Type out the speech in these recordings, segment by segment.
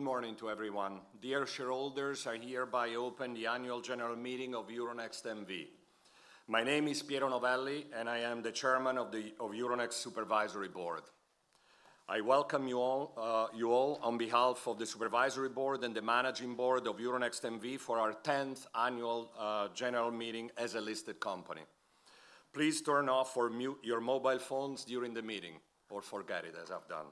Good morning to everyone. Dear shareholders, I hereby open the Annual General Meeting of Euronext N.V. My name is Piero Novelli, and I am the Chairman of the Euronext Supervisory Board. I welcome you all, you all on behalf of the Supervisory Board and the Managing Board of Euronext N.V. for our 10th Annual General Meeting as a listed company. Please turn off or mute your mobile phones during the meeting, or forget it as I've done.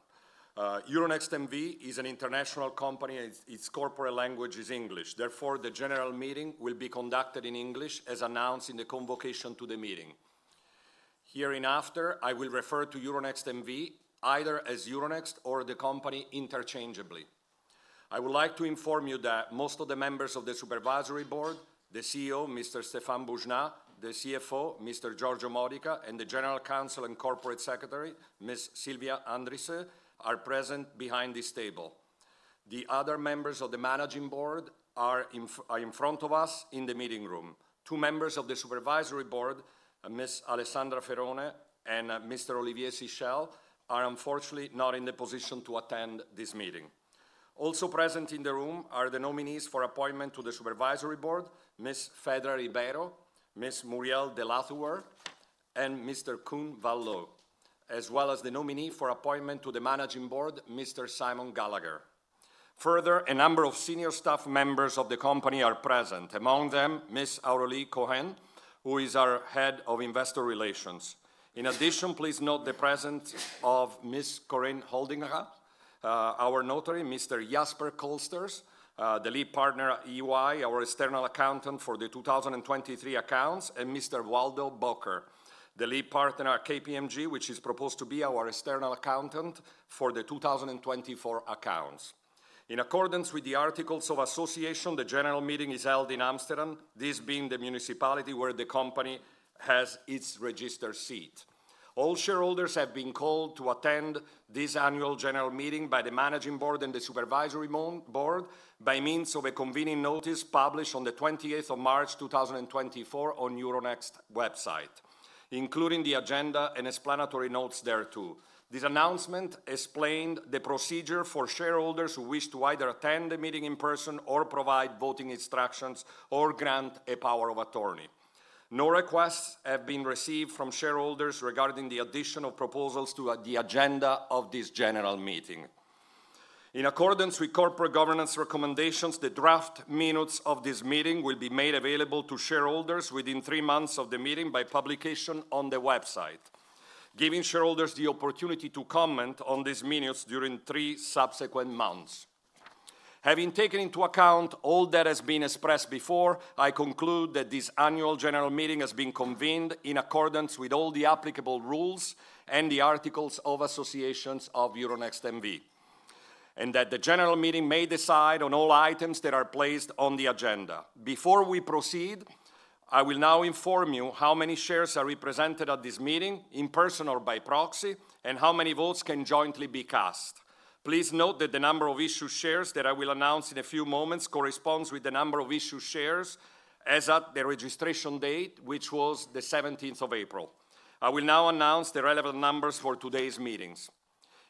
Euronext N.V. is an international company, and its corporate language is English. Therefore, the General Meeting will be conducted in English, as announced in the convocation to the meeting. Herein after, I will refer to Euronext N.V. either as Euronext or the company interchangeably. I would like to inform you that most of the members of the Supervisory Board, the CEO, Mr. Stéphane Boujnah, the CFO, Mr. Giorgio Modica, and the General Counsel and Corporate Secretary, Ms. Sylvia Andriessen, are present behind this table. The other members of the Managing Board are in front of us in the meeting room. Two members of the Supervisory Board, Ms. Alessandra Ferone and Mr. Olivier Sichel, are unfortunately not in the position to attend this meeting. Also present in the room are the nominees for appointment to the Supervisory Board, Ms. Fedra Ribeiro, Ms. Muriel De Lathouwer, and Mr. Koen Van Loo, as well as the nominee for appointment to the Managing Board, Mr. Simon Gallagher. Further, a number of senior staff members of the company are present, among them, Ms. Aurélie Cohen, who is our Head of Investor Relations. In addition, please note the presence of Ms. Corinne Holdinga, our notary, Mr. Jasper Kolsters, the lead partner at EY, our external accountant for the 2023 accounts, and Mr. Waldo Bakker, the lead partner at KPMG, which is proposed to be our external accountant for the 2024 accounts. In accordance with the Articles of Association, the general meeting is held in Amsterdam, this being the municipality where the company has its registered seat. All shareholders have been called to attend this annual general meeting by the Managing Board and the Supervisory Board, by means of a convening notice published on the 28th of March, 2024 on Euronext website, including the agenda and explanatory notes thereto. This announcement explained the procedure for shareholders who wish to either attend the meeting in person or provide voting instructions or grant a power of attorney. No requests have been received from shareholders regarding the additional proposals to the agenda of this general meeting. In accordance with corporate governance recommendations, the draft minutes of this meeting will be made available to shareholders within three months of the meeting by publication on the website, giving shareholders the opportunity to comment on these minutes during three subsequent months. Having taken into account all that has been expressed before, I conclude that this Annual General Meeting has been convened in accordance with all the applicable rules and the articles of association of Euronext N.V., and that the General Meeting may decide on all items that are placed on the agenda. Before we proceed, I will now inform you how many shares are represented at this meeting, in person or by proxy, and how many votes can jointly be cast. Please note that the number of issued shares that I will announce in a few moments corresponds with the number of issued shares as at the registration date, which was the 17th of April. I will now announce the relevant numbers for today's meetings.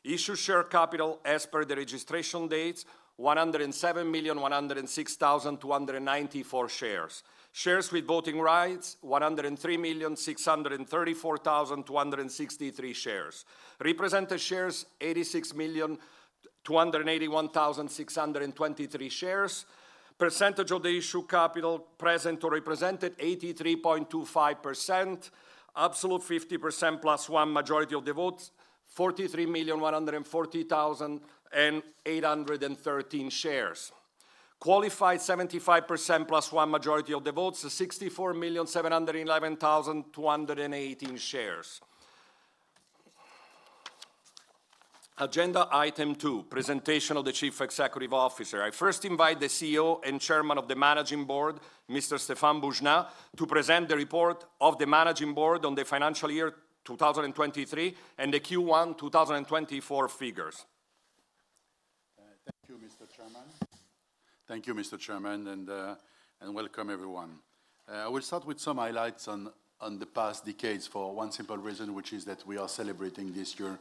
Issued share capital as per the registration date, 107,106,294 shares. Shares with voting rights, 103,634,263 shares. Represented shares, 86,281,623 shares. Percentage of the issued capital present or represented, 83.25%. Absolute fifty percent plus one majority of the votes, 43,140,813 shares. Qualified 75%+ one majority of the votes is 64,711,218 shares. Agenda item two, presentation of the Chief Executive Officer. I first invite the CEO and Chairman of the Managing Board, Mr. Stéphane Boujnah, to present the report of the Managing Board on the financial year 2023, and the Q1 2024 figures. Thank you, Mr. Chairman. Thank you, Mr. Chairman, and, and welcome, everyone. I will start with some highlights on, on the past decades for one simple reason, which is that we are celebrating this year,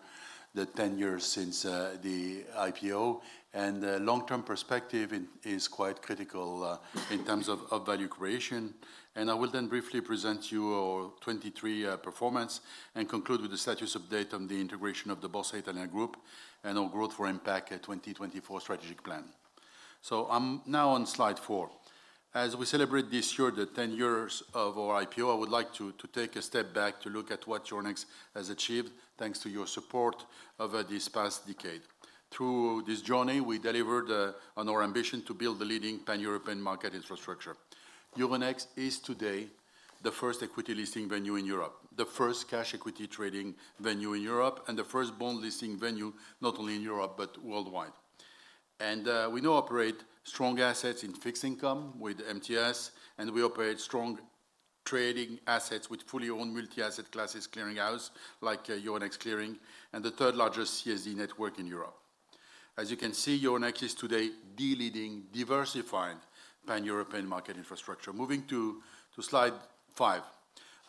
the 10 years since, the IPO, and, long-term perspective is, is quite critical, in terms of, of value creation. I will then briefly present you our 2023 performance and conclude with the status update on the integration of the Borsa Italiana Group and our Growth for Impact 2024 strategic plan. I'm now on slide 4. As we celebrate this year, the 10 years of our IPO, I would like to, to take a step back to look at what Euronext has achieved, thanks to your support, over this past decade. Through this journey, we delivered on our ambition to build a leading pan-European market infrastructure. Euronext is today the first equity listing venue in Europe, the first cash equity trading venue in Europe, and the first bond listing venue, not only in Europe, but worldwide. And we now operate strong assets in fixed income with MTS, and we operate strong trading assets with fully owned multi-asset classes clearinghouse, like Euronext Clearing, and the third largest CSD network in Europe. As you can see, Euronext is today the leading diversified pan-European market infrastructure. Moving to slide 5.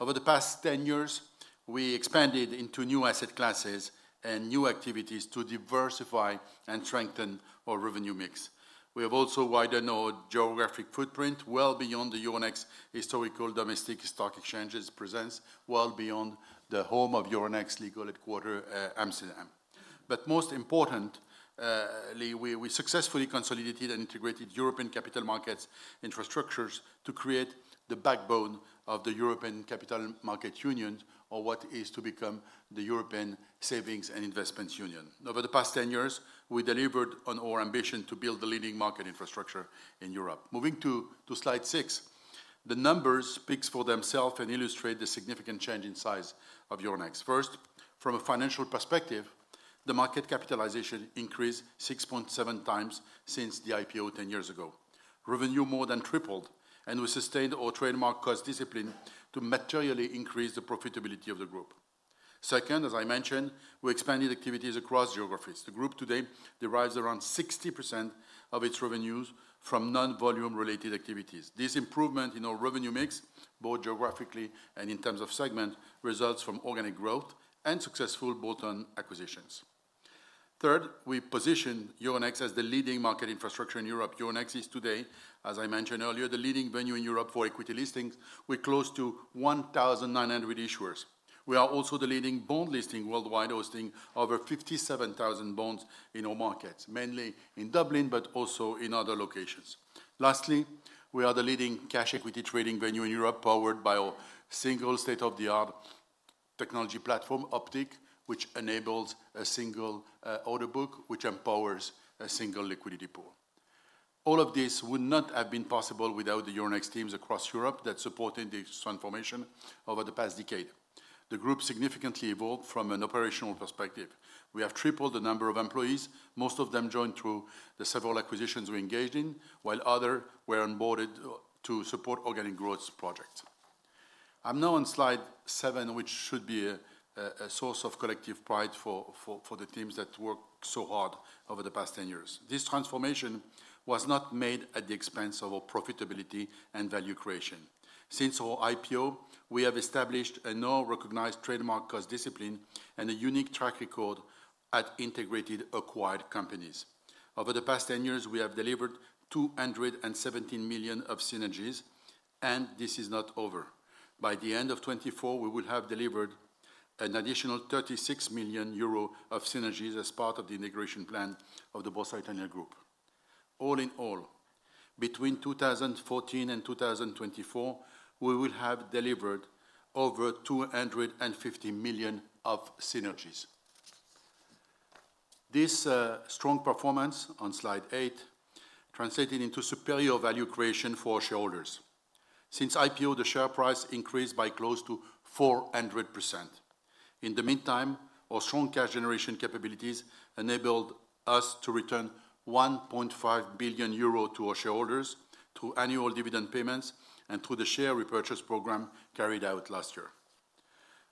Over the past 10 years, we expanded into new asset classes and new activities to diversify and strengthen our revenue mix. We have also widened our geographic footprint well beyond the Euronext historical domestic stock exchanges presence, well beyond the home of Euronext legal headquarters, Amsterdam. But most importantly, we successfully consolidated and integrated European capital markets infrastructures to create the backbone of the European Capital Markets Union, or what is to become the European Savings and Investments Union. Over the past 10 years, we delivered on our ambition to build the leading market infrastructure in Europe. Moving to slide 6, the numbers speak for themselves and illustrate the significant change in size of Euronext. First, from a financial perspective, the market capitalization increased 6.7 times since the IPO 10 years ago. Revenue more than tripled, and we sustained our trademark cost discipline to materially increase the profitability of the group. Second, as I mentioned, we expanded activities across geographies. The group today derives around 60% of its revenues from non-volume related activities. This improvement in our revenue mix, both geographically and in terms of segment, results from organic growth and successful bolt-on acquisitions. Third, we positioned Euronext as the leading market infrastructure in Europe. Euronext is today, as I mentioned earlier, the leading venue in Europe for equity listings, with close to 1,900 issuers. We are also the leading bond listing worldwide, hosting over 57,000 bonds in our markets, mainly in Dublin, but also in other locations. Lastly, we are the leading cash equity trading venue in Europe, powered by our single state-of-the-art technology platform, Optiq, which enables a single, order book, which empowers a single liquidity pool. All of this would not have been possible without the Euronext teams across Europe that supported this transformation over the past decade. The group significantly evolved from an operational perspective. We have tripled the number of employees, most of them joined through the several acquisitions we engaged in, while others were onboarded to support organic growth projects. I'm now on slide 7, which should be a source of collective pride for the teams that worked so hard over the past 10 years. This transformation was not made at the expense of our profitability and value creation. Since our IPO, we have established a now recognized trademark cost discipline and a unique track record at integrated acquired companies. Over the past 10 years, we have delivered 217 million of synergies, and this is not over. By the end of 2024, we will have delivered an additional 36 million euro of synergies as part of the integration plan of the Borsa Italiana Group. All in all, between 2014 and 2024, we will have delivered over 250 million of synergies. This strong performance on slide 8 translated into superior value creation for shareholders. Since IPO, the share price increased by close to 400%. In the meantime, our strong cash generation capabilities enabled us to return 1.5 billion euro to our shareholders through annual dividend payments and through the Share Repurchase Program carried out last year.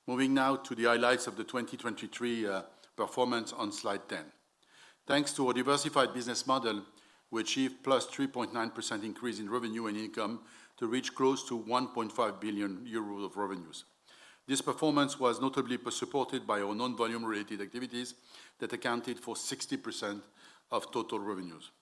Moving now to the highlights of the 2023 performance on slide 10. Thanks to our diversified business model, we achieved +3.9% increase in revenue and income to reach close to 1.5 billion euros of revenues. This performance was notably supported by our non-volume related activities that accounted for 60% of total revenues.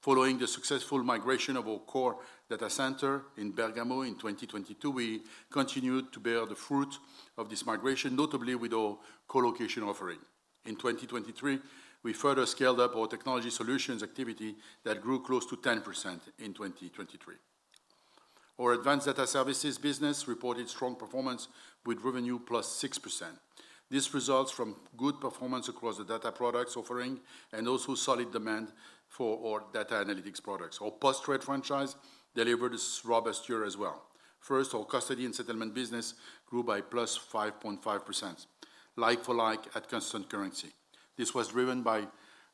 Following the successful migration of our core data center in Bergamo in 2022, we continued to bear the fruit of this migration, notably with our colocation offering. In 2023, we further scaled up our technology solutions activity that grew close to 10% in 2023. Our advanced data services business reported strong performance with revenue +6%. This results from good performance across the data products offering and also solid demand for our data analytics products. Our post-trade franchise delivered a robust year as well. First, our custody and settlement business grew by +5.5%, like for like at constant currency. This was driven by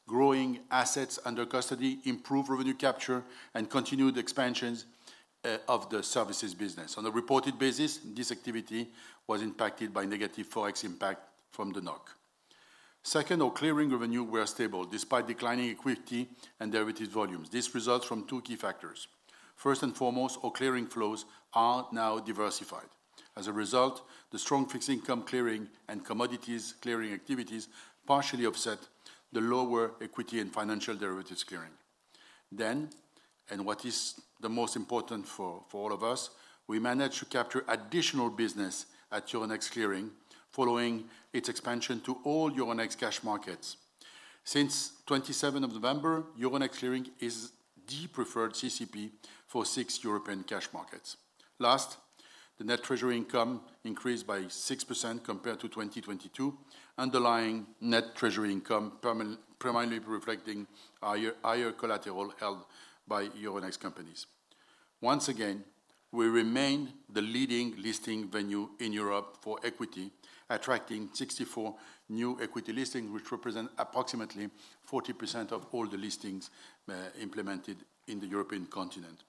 growing assets under custody, improved revenue capture, and continued expansions of the services business. On a reported basis, this activity was impacted by negative Forex impact from the NOK. Second, our clearing revenue were stable despite declining equity and derivative volumes. This results from two key factors. First and foremost, our clearing flows are now diversified. As a result, the strong fixed income clearing and commodities clearing activities partially offset the lower equity and financial derivatives clearing. Then, and what is the most important for all of us, we managed to capture additional business at Euronext Clearing, following its expansion to all Euronext cash markets. Since 27 of November, Euronext Clearing is the preferred CCP for six European cash markets. Last, the net treasury income increased by 6% compared to 2022, underlying net treasury income primarily reflecting higher collateral held by Euronext companies. Once again, we remain the leading listing venue in Europe for equity, attracting 64 new equity listings, which represent approximately 40% of all the listings implemented in the European continent.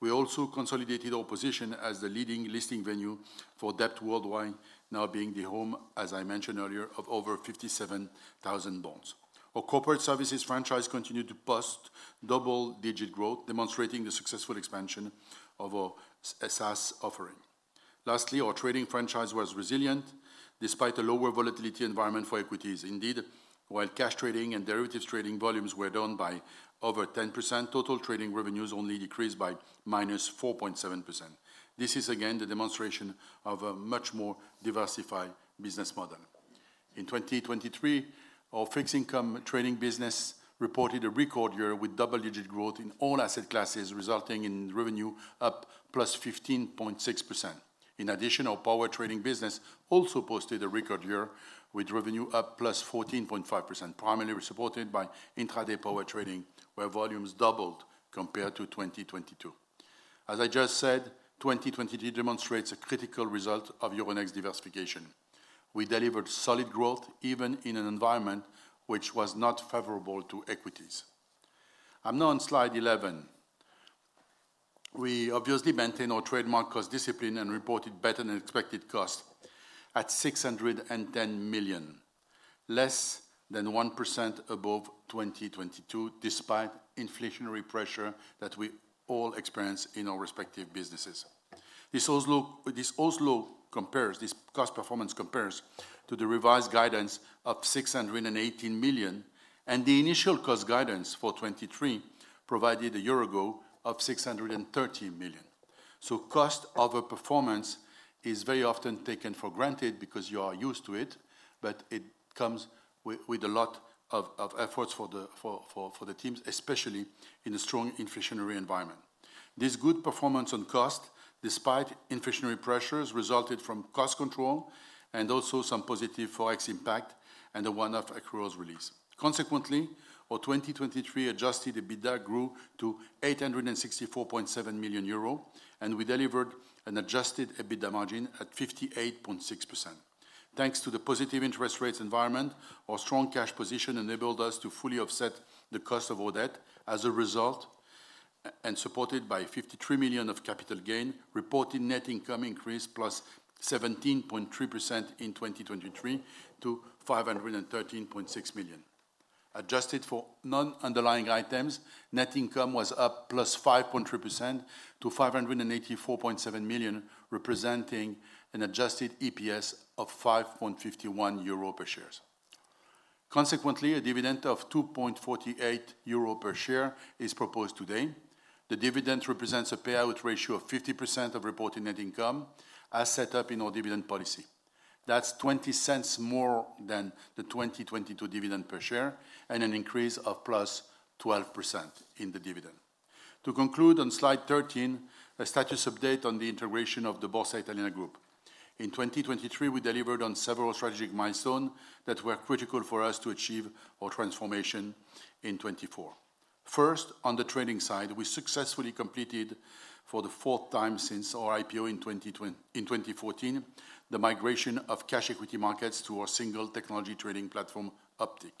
We also consolidated our position as the leading listing venue for debt worldwide, now being the home, as I mentioned earlier, of over 57,000 bonds. Our corporate services franchise continued to post double-digit growth, demonstrating the successful expansion of our SaaS offering. Lastly, our trading franchise was resilient despite a lower volatility environment for equities. Indeed, while cash trading and derivatives trading volumes were down by over 10%, total trading revenues only decreased by -4.7%. This is again the demonstration of a much more diversified business model. In 2023, our fixed income trading business reported a record year, with double-digit growth in all asset classes, resulting in revenue up +15.6%. In addition, our power trading business also posted a record year, with revenue up +14.5%, primarily supported by intraday power trading, where volumes doubled compared to 2022. As I just said, 2023 demonstrates a critical result of Euronext's diversification. We delivered solid growth even in an environment which was not favorable to equities. I'm now on slide 11. We obviously maintained our trademark cost discipline and reported better-than-expected costs at 610 million, less than 1% above 2022, despite inflationary pressure that we all experienced in our respective businesses. This also compares, this cost performance compares to the revised guidance of 618 million, and the initial cost guidance for 2023 provided a year ago of 630 million. So cost overperformance is very often taken for granted because you are used to it, but it comes with a lot of efforts for the teams, especially in a strong inflationary environment. This good performance on cost, despite inflationary pressures, resulted from cost control and also some positive Forex impact and a one-off accruals release. Consequently, our 2023 adjusted EBITDA grew to 864.7 million euro, and we delivered an adjusted EBITDA margin at 58.6%. Thanks to the positive interest rates environment, our strong cash position enabled us to fully offset the cost of our debt. As a result, and supported by 53 million of capital gain, reported net income increased +17.3% in 2023 to 513.6 million. Adjusted for non-underlying items, net income was up +5.3% to 584.7 million, representing an adjusted EPS of 5.51 euro per share. Consequently, a dividend of 2.48 euro per share is proposed today. The dividend represents a payout ratio of 50% of reported net income, as set up in our dividend policy. That's 0.20 more than the 2022 dividend per share and an increase of +12% in the dividend. To conclude, on slide 13, a status update on the integration of the Borsa Italiana Group. In 2023, we delivered on several strategic milestones that were critical for us to achieve our transformation in 2024. First, on the trading side, we successfully completed, for the fourth time since our IPO in 2014, the migration of cash equity markets to our single technology trading platform, Optiq.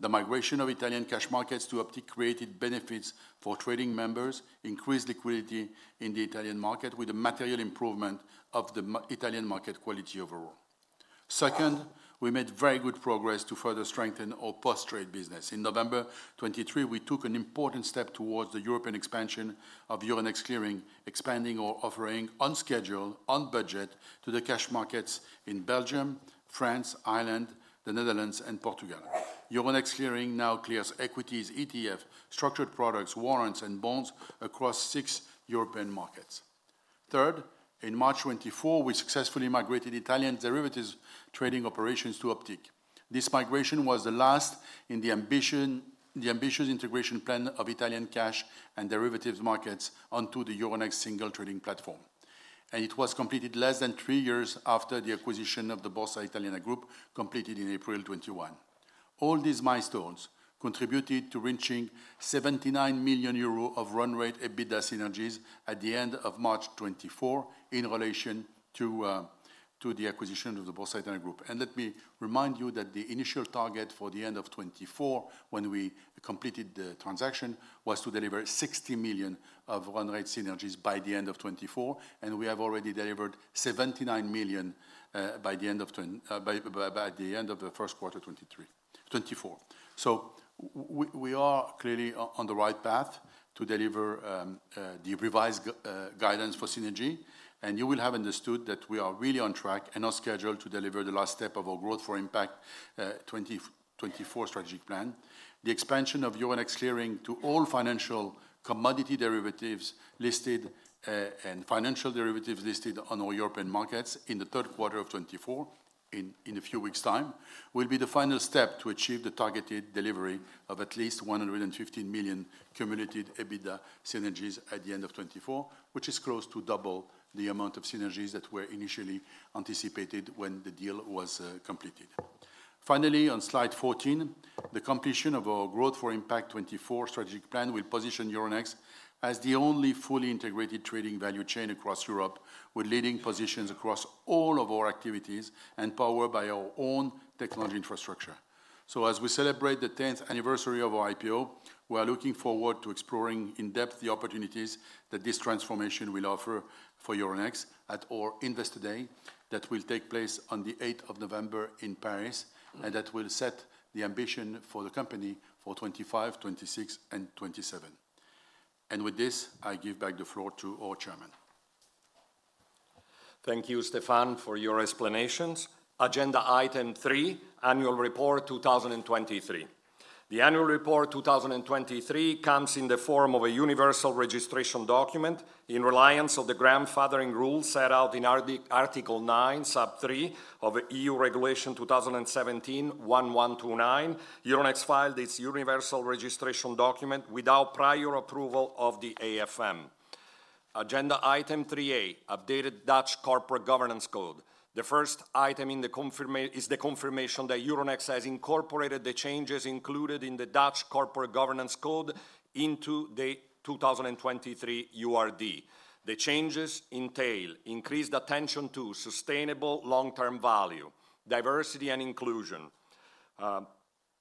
The migration of Italian cash markets to Optiq created benefits for trading members, increased liquidity in the Italian market with a material improvement of the Italian market quality overall. Second, we made very good progress to further strengthen our post-trade business. In November 2023, we took an important step towards the European expansion of Euronext Clearing, expanding our offering on schedule, on budget, to the cash markets in Belgium, France, Ireland, the Netherlands, and Portugal. Euronext Clearing now clears equities, ETFs, structured products, warrants, and bonds across 6 European markets. Third, in March 2024, we successfully migrated Italian derivatives trading operations to Optiq. This migration was the last in the ambitious integration plan of Italian cash and derivatives markets onto the Euronext single trading platform, and it was completed less than three years after the acquisition of the Borsa Italiana Group, completed in April 2021. All these milestones contributed to reaching 79 million euro of run rate EBITDA synergies at the end of March 2024 in relation to, to the acquisition of the Borsa Italiana Group. And let me remind you that the initial target for the end of 2024, when we completed the transaction, was to deliver 60 million of run rate synergies by the end of 2024, and we have already delivered 79 million by the end of the first quarter, 2023-2024. So we are clearly on the right path to deliver the revised guidance for synergy, and you will have understood that we are really on track and on schedule to deliver the last step of our Growth for Impact 2024 strategic plan. The expansion of Euronext Clearing to all financial commodity derivatives listed and financial derivatives listed on all European markets in the third quarter of 2024, in a few weeks' time, will be the final step to achieve the targeted delivery of at least 150 million cumulative EBITDA synergies at the end of 2024, which is close to double the amount of synergies that were initially anticipated when the deal was completed. Finally, on slide 14, the completion of our Growth for Impact 2024 strategic plan will position Euronext as the only fully integrated trading value chain across Europe, with leading positions across all of our activities and powered by our own technology infrastructure. So as we celebrate the 10th anniversary of our IPO, we are looking forward to exploring in depth the opportunities that this transformation will offer for Euronext at our Investor Day, that will take place on the 8th of November in Paris, and that will set the ambition for the company for 2025, 2026, and 2027. And with this, I give back the floor to our chairman. Thank you, Stéphane, for your explanations. Agenda item 3: Annual Report 2023. The Annual Report 2023 comes in the form of a Universal Registration Document in reliance of the grandfathering rule set out in Article 9, sub 3 of EU Regulation 2017/1129. Euronext filed its Universal Registration Document without prior approval of the AFM. Agenda item 3A: Updated Dutch Corporate Governance Code. The first item is the confirmation that Euronext has incorporated the changes included in the Dutch Corporate Governance Code into the 2023 URD. The changes entail increased attention to sustainable long-term value, diversity and inclusion,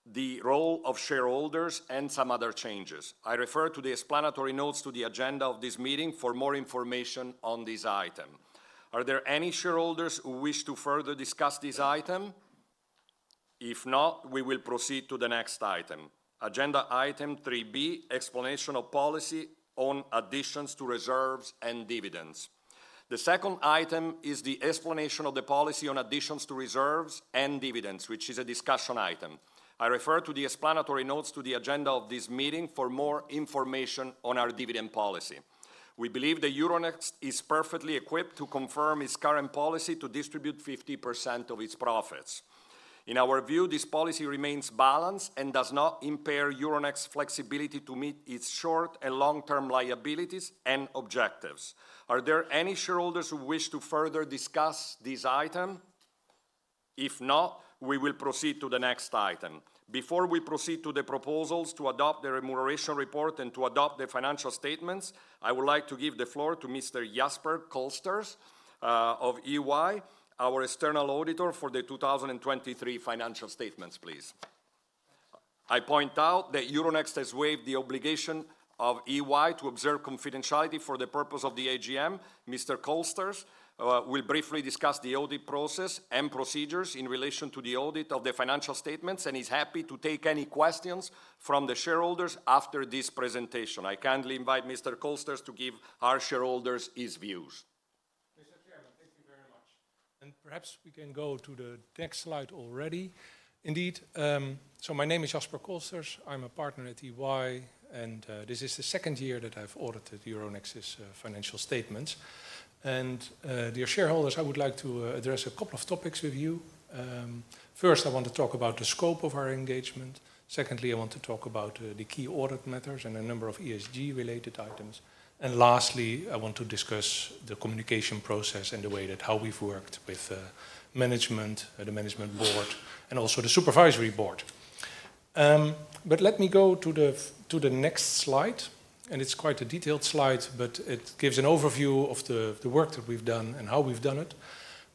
the role of shareholders, and some other changes. I refer to the explanatory notes to the agenda of this meeting for more information on this item. Are there any shareholders who wish to further discuss this item? If not, we will proceed to the next item. Agenda item 3B: Explanation of policy on additions to reserves and dividends. The second item is the explanation of the policy on additions to reserves and dividends, which is a discussion item. I refer to the explanatory notes to the agenda of this meeting for more information on our dividend policy. We believe that Euronext is perfectly equipped to confirm its current policy to distribute 50% of its profits. In our view, this policy remains balanced and does not impair Euronext's flexibility to meet its short- and long-term liabilities and objectives. Are there any shareholders who wish to further discuss this item? If not, we will proceed to the next item. Before we proceed to the proposals to adopt the Remuneration Report and to adopt the financial statements, I would like to give the floor to Mr. Jasper Kolsters of EY, our external auditor for the 2023 Financial Statements, please. I point out that Euronext has waived the obligation of EY to observe confidentiality for the purpose of the AGM. Mr. Kolsters will briefly discuss the audit process and procedures in relation to the audit of the financial statements, and he's happy to take any questions from the shareholders after this presentation. I kindly invite Mr. Kolsters to give our shareholders his views. Mr. Chairman, thank you very much, and perhaps we can go to the next slide already. Indeed, so my name is Jasper Kolsters. I'm a partner at EY, and this is the second year that I've audited Euronext's financial statements. And dear shareholders, I would like to address a couple of topics with you. First, I want to talk about the scope of our engagement. Secondly, I want to talk about the key audit matters and a number of ESG-related items. And lastly, I want to discuss the communication process and the way that how we've worked with management, the Management Board, and also the Supervisory Board. But let me go to the next slide, and it's quite a detailed slide, but it gives an overview of the work that we've done and how we've done it.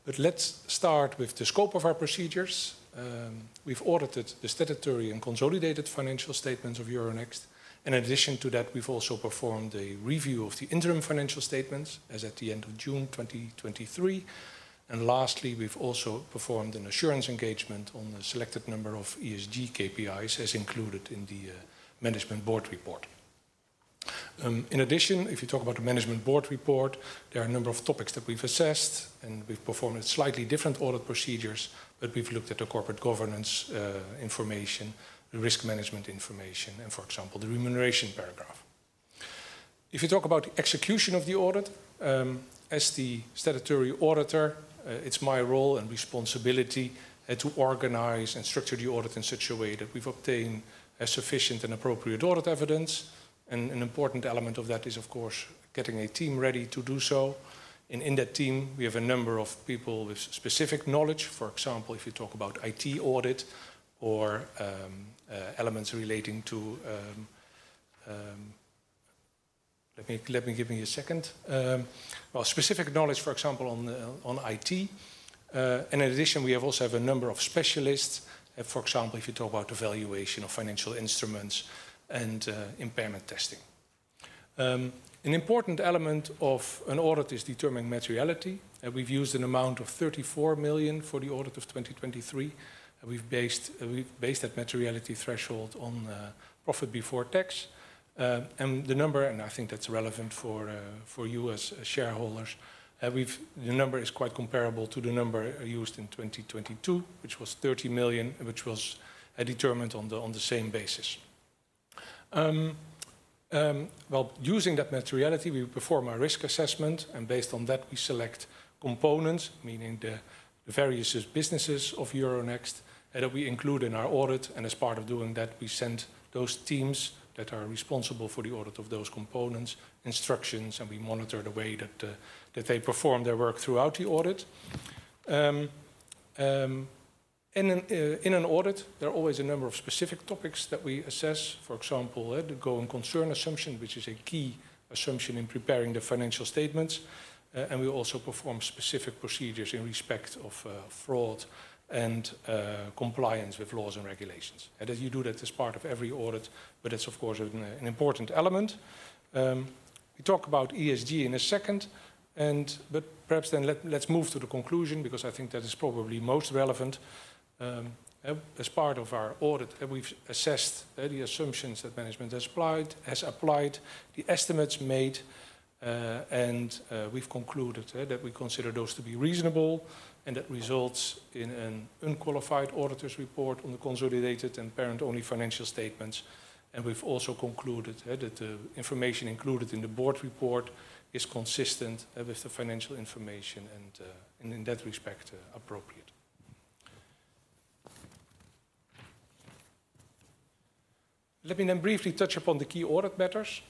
But let's start with the scope of our procedures. We've audited the statutory and consolidated financial statements of Euronext. In addition to that, we've also performed a review of the interim financial statements as at the end of June 2023. And lastly, we've also performed an assurance engagement on a selected number of ESG KPIs, as included in the Management Board Report. In addition, if you talk about the Management Board Report, there are a number of topics that we've assessed, and we've performed slightly different audit procedures, but we've looked at the corporate governance information, the risk management information, and, for example, the remuneration paragraph. If you talk about execution of the audit, as the statutory auditor, it's my role and responsibility to organize and structure the audit in such a way that we've obtained a sufficient and appropriate audit evidence. An important element of that is, of course, getting a team ready to do so, and in that team, we have a number of people with specific knowledge. For example, if you talk about IT audit or elements relating to specific knowledge, for example, on IT. And in addition, we also have a number of specialists, for example, if you talk about the valuation of financial instruments and impairment testing. An important element of an audit is determining materiality, and we've used an amount of 34 million for the audit of 2023, and we've based that materiality threshold on profit before tax. And the number, I think that's relevant for you as shareholders. The number is quite comparable to the number used in 2022, which was 30 million, which was determined on the same basis. Well, using that materiality, we perform a risk assessment, and based on that, we select components, meaning the various businesses of Euronext that we include in our audit. And as part of doing that, we send those teams that are responsible for the audit of those components instructions, and we monitor the way that they perform their work throughout the audit. In an audit, there are always a number of specific topics that we assess, for example, the going concern assumption, which is a key assumption in preparing the financial statements. And we also perform specific procedures in respect of fraud and compliance with laws and regulations. And as you do that as part of every audit, but it's of course an important element. We talk about ESG in a second, and but perhaps then let's move to the conclusion, because I think that is probably most relevant. As part of our audit, we've assessed the assumptions that management has applied, the estimates made, and we've concluded that we consider those to be reasonable, and that results in an unqualified auditor's report on the consolidated and parent-only financial statements. And we've also concluded that the information included in the board report is consistent with the financial information and in that respect appropriate. Let me then briefly touch upon the key audit matters.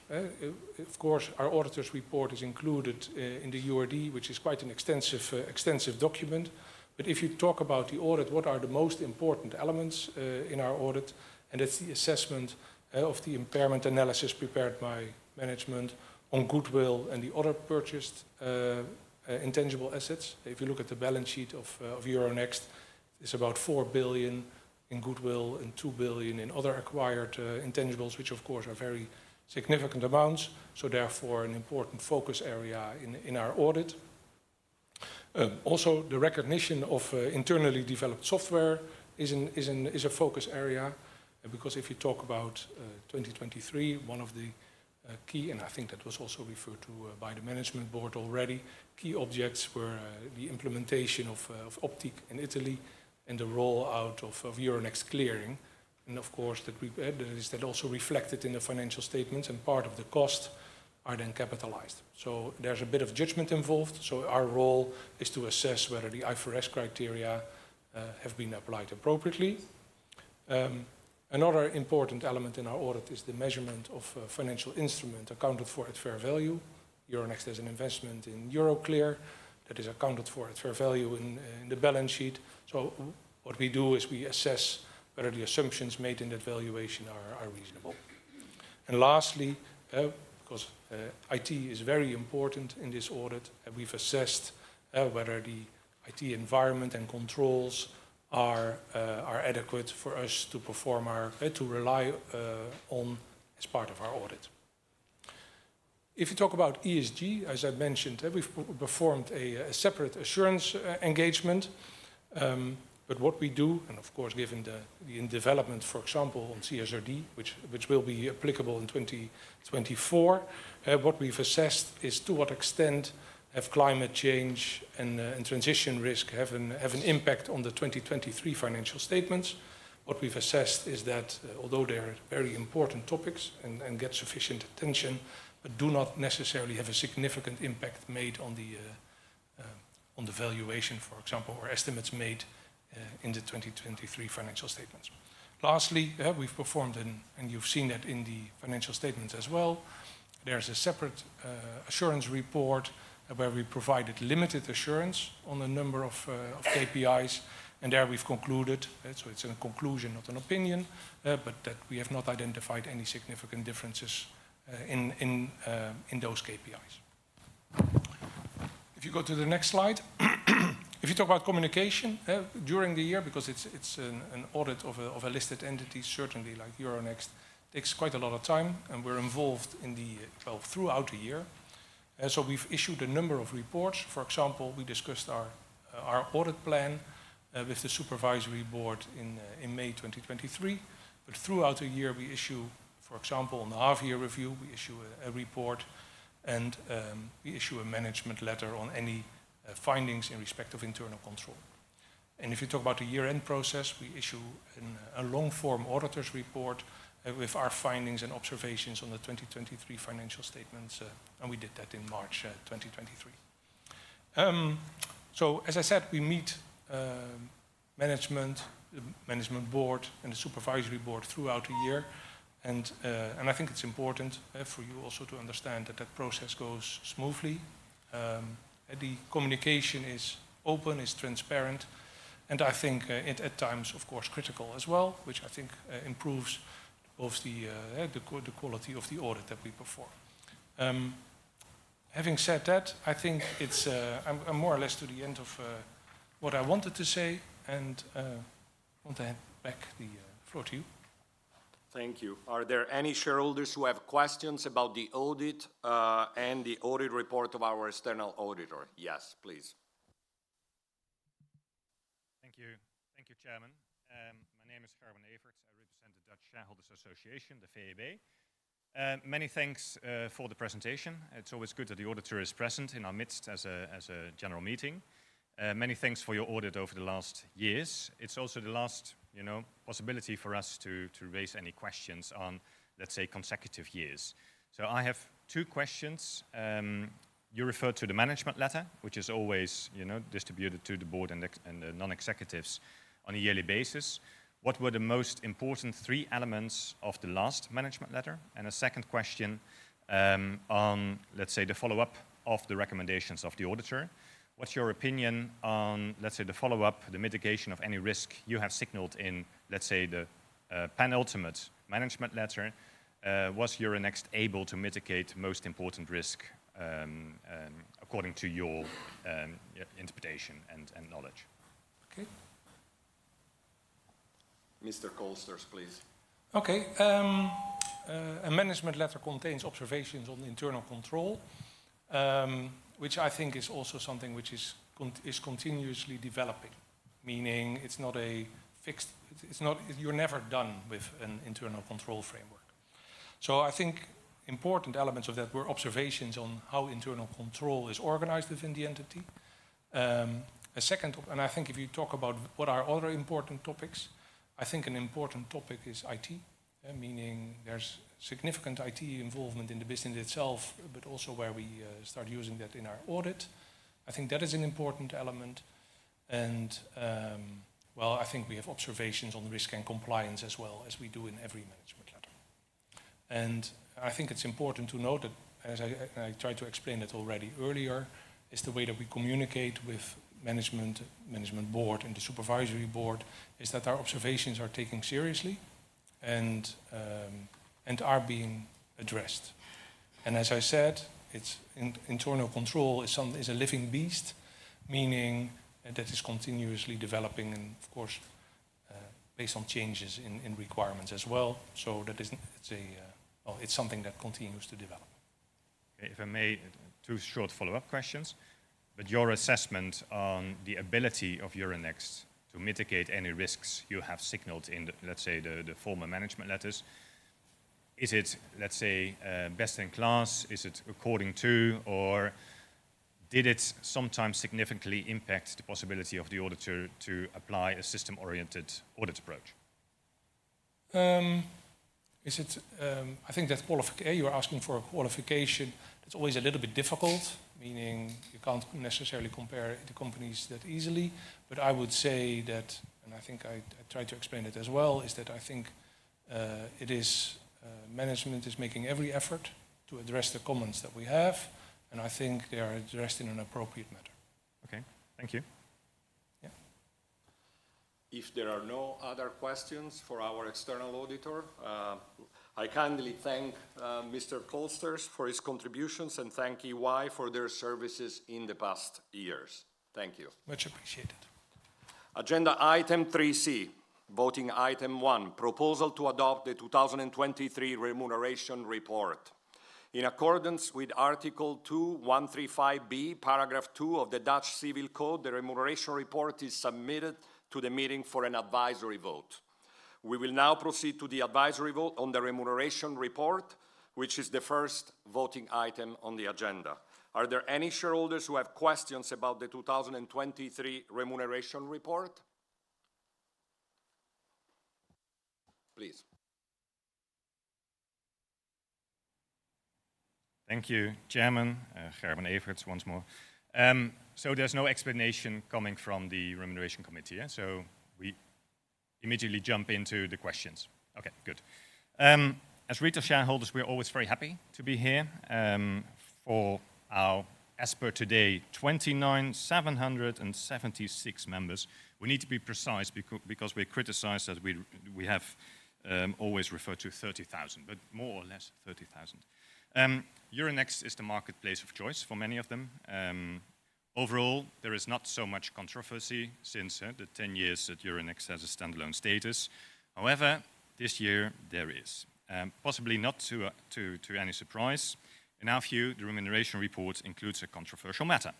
Of course, our auditor's report is included in the URD, which is quite an extensive document. But if you talk about the audit, what are the most important elements in our audit? And it's the assessment of the impairment analysis prepared by management on goodwill and the other purchased intangible assets. If you look at the balance sheet of Euronext, it's about 4 billion in goodwill and 2 billion in other acquired intangibles, which of course are very significant amounts, so therefore an important focus area in our audit. Also, the recognition of internally developed software is a focus area. Because if you talk about 2023, one of the key, and I think that was also referred to by the management board already, key objects were the implementation of Optiq in Italy and the roll-out of Euronext Clearing. And of course, the group, that is then also reflected in the financial statements, and part of the costs are then capitalized. So there's a bit of judgment involved, so our role is to assess whether the IFRS criteria have been applied appropriately. Another important element in our audit is the measurement of financial instrument accounted for at fair value. Euronext has an investment in Euroclear that is accounted for at fair value in the balance sheet. So what we do is we assess whether the assumptions made in that valuation are reasonable. And lastly, because IT is very important in this audit, we've assessed whether the IT environment and controls are adequate for us to perform our... to rely on as part of our audit. If you talk about ESG, as I mentioned, we've performed a separate assurance engagement. But what we do, and of course, given the development, for example, on CSRD, which will be applicable in 2024, what we've assessed is: to what extent have climate change and transition risk have an impact on the 2023 financial statements? What we've assessed is that, although they're very important topics and get sufficient attention, but do not necessarily have a significant impact made on the valuation, for example, or estimates made in the 2023 financial statements. Lastly, we've performed, and you've seen that in the financial statements as well, there's a separate assurance report where we provided limited assurance on a number of KPIs, and there we've concluded, so it's a conclusion, not an opinion, but that we have not identified any significant differences in those KPIs. If you go to the next slide, if you talk about communication during the year, because it's an audit of a listed entity, certainly like Euronext, takes quite a lot of time, and we're involved throughout the year. So we've issued a number of reports. For example, we discussed our audit plan with the Supervisory Board in May 2023. But throughout the year, we issue, for example, in the half-year review, we issue a report, and we issue a management letter on any findings in respect of internal control. And if you talk about the year-end process, we issue a long-form auditor's report with our findings and observations on the 2023 financial statements, and we did that in March 2023. So as I said, we meet management, the Management Board, and the supervisory board throughout the year, and I think it's important for you also to understand that that process goes smoothly. The communication is open, is transparent, and I think it at times, of course, critical as well, which I think improves the quality of the audit that we perform. Having said that, I think it's... I'm more or less to the end of what I wanted to say, and want to hand back the floor to you. Thank you. Are there any shareholders who have questions about the audit, and the audit report of our external auditor? Yes, please. Thank you. Thank you, Chairman. My name is Gerben Everts. I represent the Dutch Shareholders' Association, the VEB. Many thanks for the presentation. It's always good that the auditor is present in our midst as a general meeting. Many thanks for your audit over the last years. It's also the last, you know, possibility for us to raise any questions on, let's say, consecutive years. So I have two questions. You referred to the management letter, which is always, you know, distributed to the board and executives and the non-executives on a yearly basis. What were the most important three elements of the last management letter? And a second question, on, let's say, the follow-up of the recommendations of the auditor. What's your opinion on, let's say, the follow-up, the mitigation of any risk you have signaled in, let's say, the penultimate management letter? Was Euronext able to mitigate most important risk, according to your interpretation and knowledge? Okay.... Mr. Kolsters, please. Okay, a management letter contains observations on the internal control, which I think is also something which is continuously developing. Meaning, it's not a fixed... It's not-- you're never done with an internal control framework. So I think important elements of that were observations on how internal control is organized within the entity. A second topic-- and I think if you talk about what are other important topics, I think an important topic is IT. Meaning there's significant IT involvement in the business itself, but also where we start using that in our audit. I think that is an important element, and, well, I think we have observations on the risk and compliance as well as we do in every management letter. I think it's important to note that, as I tried to explain it already earlier, is the way that we communicate with management, Management Board, and the Supervisory Board, is that our observations are taken seriously and are being addressed. As I said, it's internal control is a living beast, meaning that is continuously developing and of course, based on changes in requirements as well. So that is, it's a. Well, it's something that continues to develop. If I may, two short follow-up questions. But your assessment on the ability of Euronext to mitigate any risks you have signaled in the, let's say, former management letters, is it, let's say, best in class? Is it according to, or did it sometimes significantly impact the possibility of the auditor to apply a system-oriented audit approach? Is it... I think that's qualification. You're asking for a qualification. It's always a little bit difficult, meaning you can't necessarily compare the companies that easily. But I would say that, and I think I tried to explain it as well, is that I think it is management is making every effort to address the comments that we have, and I think they are addressed in an appropriate manner. Okay. Thank you. Yeah. If there are no other questions for our external auditor, I kindly thank Mr. Kolsters for his contributions, and thank EY for their services in the past years. Thank you. Much appreciated. Agenda item 3C, voting item 1: proposal to adopt the 2023 remuneration report. In accordance with Article 2:135b, paragraph 2 of the Dutch Civil Code, the Remuneration Report is submitted to the meeting for an advisory vote. We will now proceed to the advisory vote on the Remuneration Report, which is the first voting item on the agenda. Are there any shareholders who have questions about the 2023 Remuneration Report? Please. Thank you, Chairman. Gerben Everts once more. So there's no explanation coming from the Remuneration Committee, yeah? So we immediately jump into the questions. Okay, good. As retail shareholders, we're always very happy to be here, for our, as per today, 29,776 members. We need to be precise because we're criticized that we have always referred to 30,000, but more or less 30,000. Euronext is the marketplace of choice for many of them. Overall, there is not so much controversy since the 10 years that Euronext has a standalone status. However, this year there is, possibly not to any surprise. In our view, the Remuneration Report includes a controversial matter,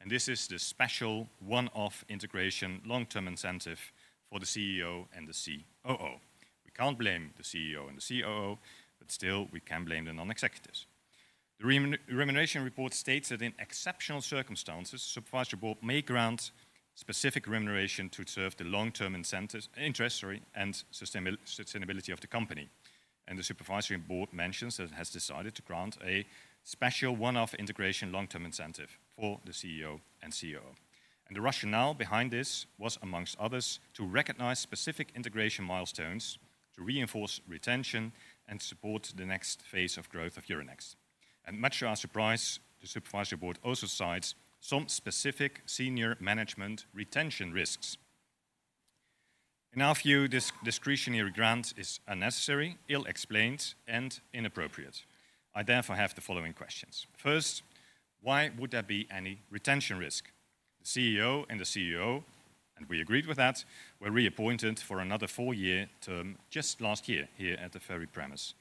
and this is the special one-off integration long-term incentive for the CEO and the COO. We can't blame the CEO and the COO, but still, we can blame the non-executives. The Remuneration Report states that in exceptional circumstances, Supervisory Board may grant specific remuneration to serve the long-term incentives, interest, sorry, and sustainability of the company. The Supervisory Board mentions that it has decided to grant a special one-off integration long-term incentive for the CEO and COO. The rationale behind this was, among others, to recognize specific integration milestones, to reinforce retention, and support the next phase of growth of Euronext. Much to our surprise, the Supervisory Board also cites some specific senior management retention risks. In our view, this discretionary grant is unnecessary, ill-explained, and inappropriate. I therefore have the following questions: First, why would there be any retention risk? The CEO and the COO, and we agreed with that, were reappointed for another four-year term just last year, here at the very premises,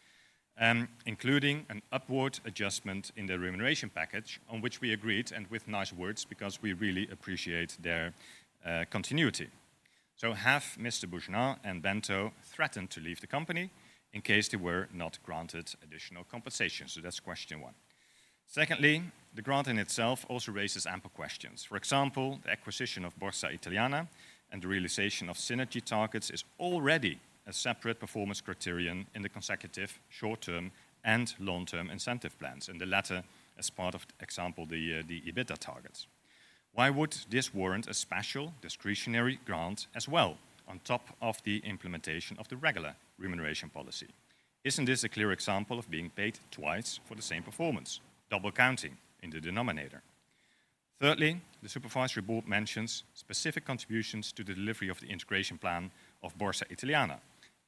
including an upward adjustment in their remuneration package, on which we agreed, and with nice words, because we really appreciate their continuity. So have Mr. Boujnah and Bento threatened to leave the company in case they were not granted additional compensation? So that's question one. Secondly, the grant in itself also raises ample questions. For example, the acquisition of Borsa Italiana and the realization of synergy targets is already a separate performance criterion in the consecutive short-term and long-term incentive plans, and the latter, as part of, for example, the EBITDA targets. Why would this warrant a special discretionary grant as well, on top of the implementation of the regular Remuneration Policy? Isn't this a clear example of being paid twice for the same performance, double counting in the denominator? Thirdly, the Supervisory Board mentions specific contributions to the delivery of the integration plan of Borsa Italiana.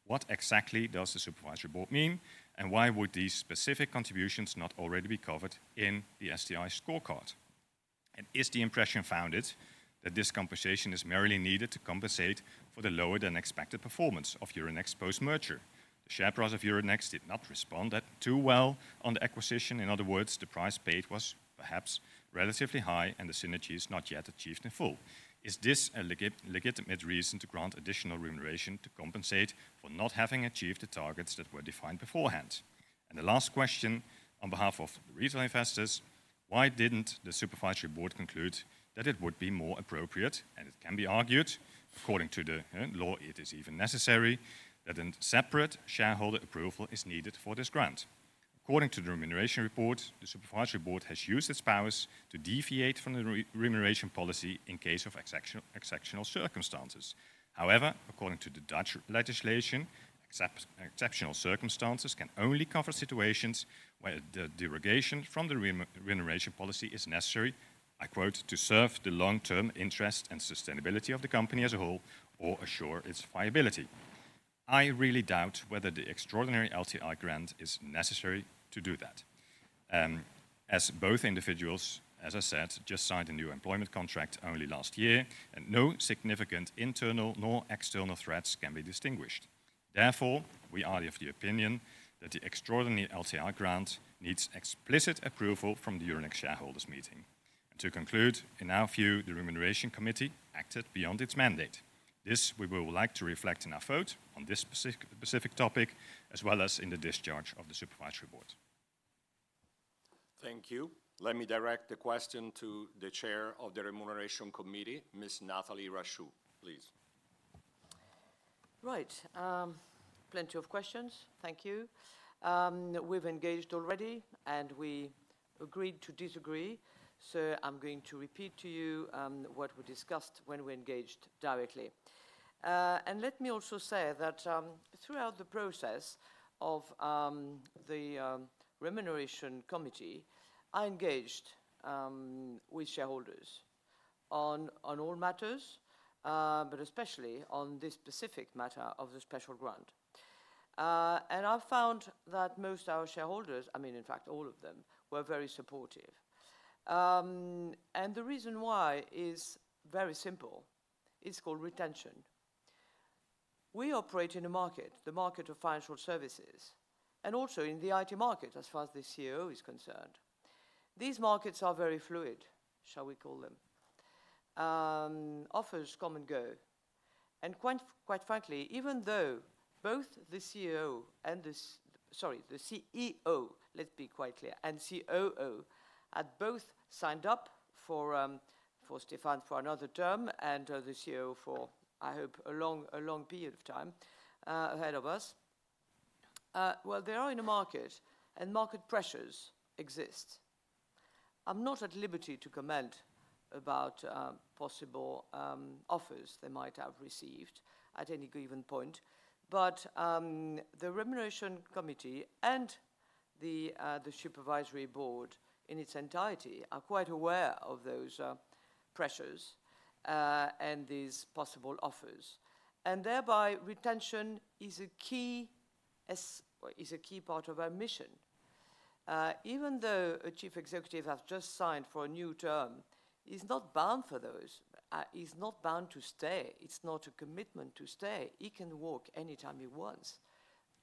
What exactly does the Supervisory Board mean, and why would these specific contributions not already be covered in the STI scorecard? Is the impression founded that this compensation is merely needed to compensate for the lower-than-expected performance of Euronext post-merger? The share price of Euronext did not respond that too well on the acquisition. In other words, the price paid was perhaps relatively high, and the synergy is not yet achieved in full. Is this a legitimate reason to grant additional remuneration to compensate for not having achieved the targets that were defined beforehand? The last question, on behalf of retail investors: why didn't the Supervisory Board conclude that it would be more appropriate, and it can be argued, according to the law, it is even necessary, that a separate shareholder approval is needed for this grant? According to the remuneration report, the Supervisory Board has used its powers to deviate from the remuneration policy in case of exceptional circumstances. However, according to the Dutch legislation, exceptional circumstances can only cover situations where the derogation from the remuneration policy is necessary, I quote, "To serve the long-term interest and sustainability of the company as a whole or assure its viability." I really doubt whether the extraordinary LTI grant is necessary to do that. As both individuals, as I said, just signed a new employment contract only last year, and no significant internal nor external threats can be distinguished. Therefore, we are of the opinion that the extraordinary LTI grant needs explicit approval from the Euronext shareholders meeting. To conclude, in our view, the Remuneration Committee acted beyond its mandate. This we will like to reflect in our vote on this specific topic, as well as in the discharge of the Supervisory Board. Thank you. Let me direct the question to the chair of the Remuneration Committee, Ms. Nathalie Rachou. Please. Right. Plenty of questions. Thank you. We've engaged already, and we agreed to disagree. So I'm going to repeat to you what we discussed when we engaged directly. And let me also say that throughout the process of the Remuneration Committee, I engaged with shareholders on all matters, but especially on this specific matter of the special grant. And I found that most our shareholders, I mean, in fact, all of them, were very supportive. And the reason why is very simple: it's called retention. We operate in a market, the market of financial services, and also in the IT market, as far as the COO is concerned. These markets are very fluid, shall we call them. Offers come and go, and quite, quite frankly, even though both the CEO and the... Sorry, the CEO, let's be quite clear, and COO had both signed up for Stéphane for another term, and the COO for, I hope, a long, a long period of time ahead of us. Well, they are in a market, and market pressures exist. I'm not at liberty to comment about possible offers they might have received at any given point, but the Remuneration Committee and the Supervisory Board in its entirety are quite aware of those pressures and these possible offers. And thereby, retention is a key part of our mission. Even though a Chief Executive has just signed for a new term, he's not bound for those; he's not bound to stay. It's not a commitment to stay. He can walk anytime he wants.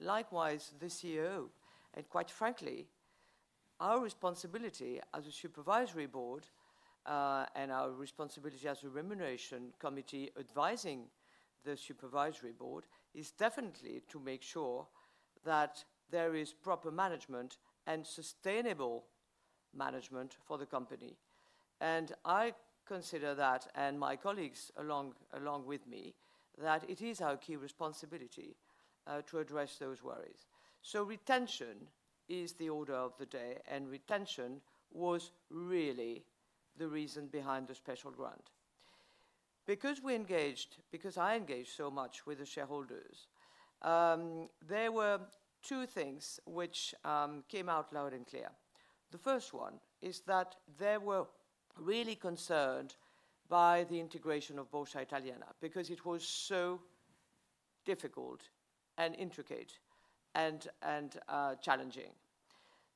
Likewise, the COO. And quite frankly, our responsibility as a Supervisory Board, and our responsibility as a Remuneration Committee advising the Supervisory Board, is definitely to make sure that there is proper management and sustainable management for the company. And I consider that, and my colleagues along with me, that it is our key responsibility to address those worries. So retention is the order of the day, and retention was really the reason behind the special grant. Because we engaged, because I engaged so much with the shareholders, there were two things which came out loud and clear. The first one is that they were really concerned by the integration of Borsa Italiana, because it was so difficult and intricate and challenging.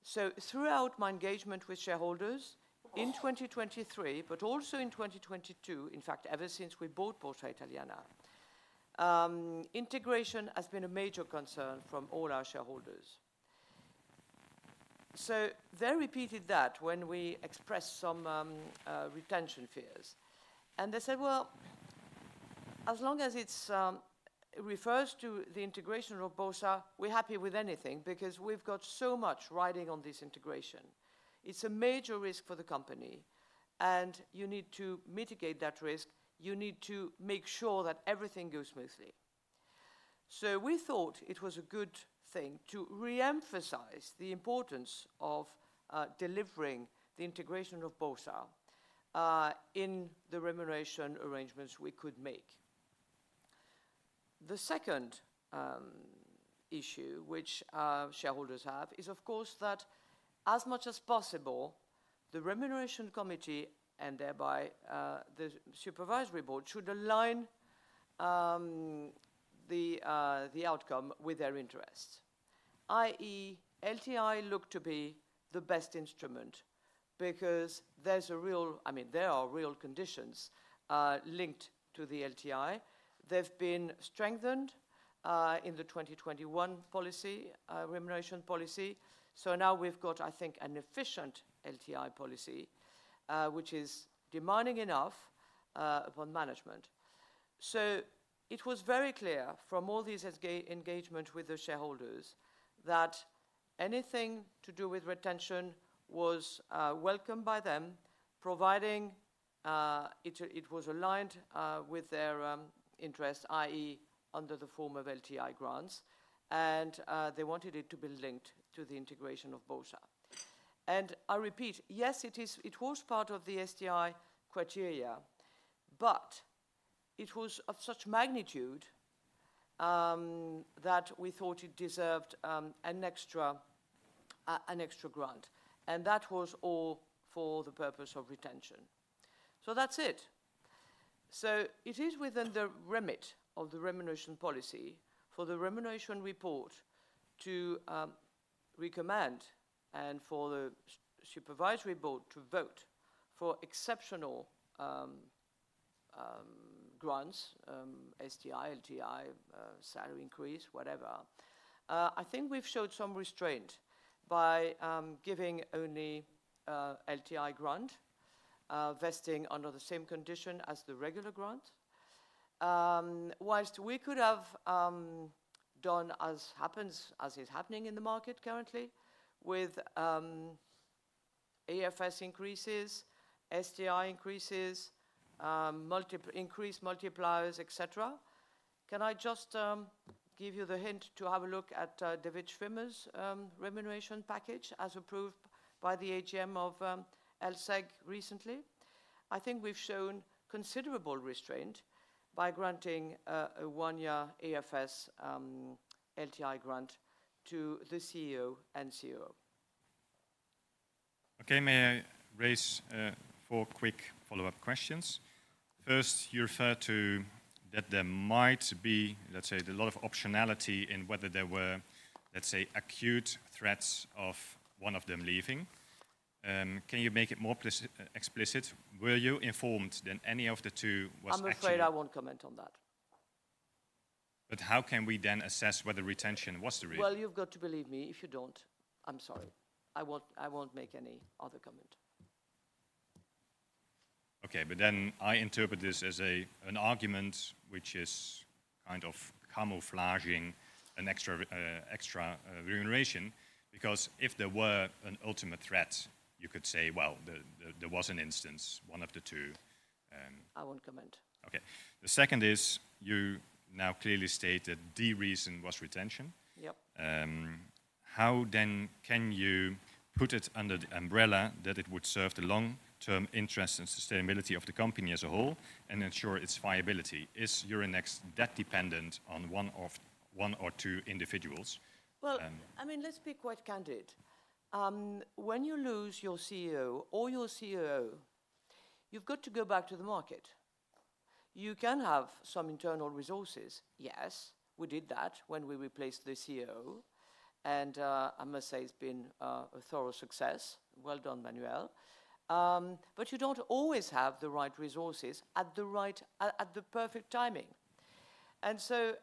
So throughout my engagement with shareholders in 2023, but also in 2022, in fact, ever since we bought Borsa Italiana, integration has been a major concern from all our shareholders. So they repeated that when we expressed some retention fears, and they said: "Well, as long as it's refers to the integration of Borsa, we're happy with anything, because we've got so much riding on this integration. It's a major risk for the company, and you need to mitigate that risk. You need to make sure that everything goes smoothly." So we thought it was a good thing to re-emphasize the importance of delivering the integration of Borsa in the remuneration arrangements we could make. The second issue, which our shareholders have, is, of course, that as much as possible, the Remuneration Committee, and thereby, the Supervisory Board, should align the outcome with their interests, i.e., LTI looked to be the best instrument because there's a real, I mean, there are real conditions linked to the LTI. They've been strengthened in the 2021 policy, Remuneration Policy. So now we've got, I think, an efficient LTI policy, which is demanding enough upon management. So it was very clear from all these ESG engagement with the shareholders, that anything to do with retention was welcomed by them, providing it was aligned with their interest, i.e., under the form of LTI grants, and they wanted it to be linked to the integration of Borsa. I repeat, yes, it is, it was part of the STI criteria, but it was of such magnitude that we thought it deserved an extra grant, and that was all for the purpose of retention. So that's it. So it is within the remit of the Remuneration Policy for the remuneration report to recommend and for the Supervisory Board to vote for exceptional grants, STI, LTI, salary increase, whatever. I think we've showed some restraint by giving only LTI grant vesting under the same condition as the regular grant. While we could have done as happens, as is happening in the market currently with AFS increases, STI increases, multiple increased multipliers, et cetera. Can I just give you the hint to have a look at David Schwimmer's remuneration package as approved by the AGM of LSEG recently? I think we've shown considerable restraint by granting a one-year AFS LTI grant to the CEO and COO. Okay, may I raise four quick follow-up questions? First, you referred to that there might be, let's say, a lot of optionality in whether there were, let's say, acute threats of one of them leaving. Can you make it more explicit? Were you informed that any of the two was actually- I'm afraid I won't comment on that. But how can we then assess whether retention was the reason? Well, you've got to believe me. If you don't, I'm sorry. I won't, I won't make any other comment. Okay, but then I interpret this as an argument which is kind of camouflaging an extra, extra, remuneration, because if there were an ultimate threat, you could say, "Well, there was an instance, one of the two- I won't comment. Okay. The second is, you now clearly stated the reason was retention. Yep. How then can you put it under the umbrella that it would serve the long-term interest and sustainability of the company as a whole and ensure its viability? Is Euronext that dependent on one of... one or two individuals? Well, I mean, let's be quite candid. When you lose your CEO or your COO, you've got to go back to the market. You can have some internal resources. Yes, we did that when we replaced the CEO, and I must say it's been a thorough success. Well done, Manuel. But you don't always have the right resources at the right, at the perfect timing. And so,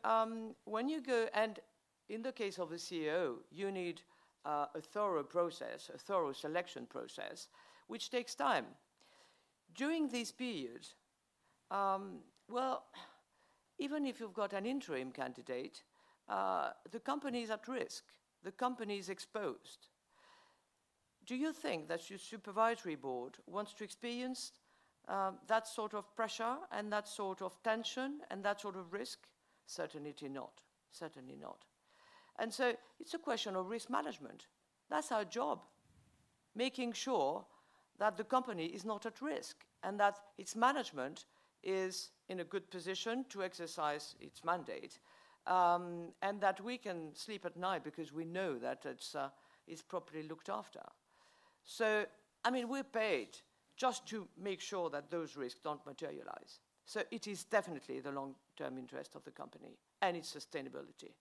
when you go and in the case of a CEO, you need a thorough process, a thorough selection process, which takes time. During this period, well, even if you've got an interim candidate, the company is at risk. The company is exposed. Do you think that your Supervisory Board wants to experience that sort of pressure and that sort of tension and that sort of risk? Certainly not. Certainly not. And so it's a question of risk management. That's our job, making sure that the company is not at risk, and that its management is in a good position to exercise its mandate, and that we can sleep at night because we know that it's properly looked after. So, I mean, we're paid just to make sure that those risks don't materialize. So it is definitely the long-term interest of the company and its sustainability.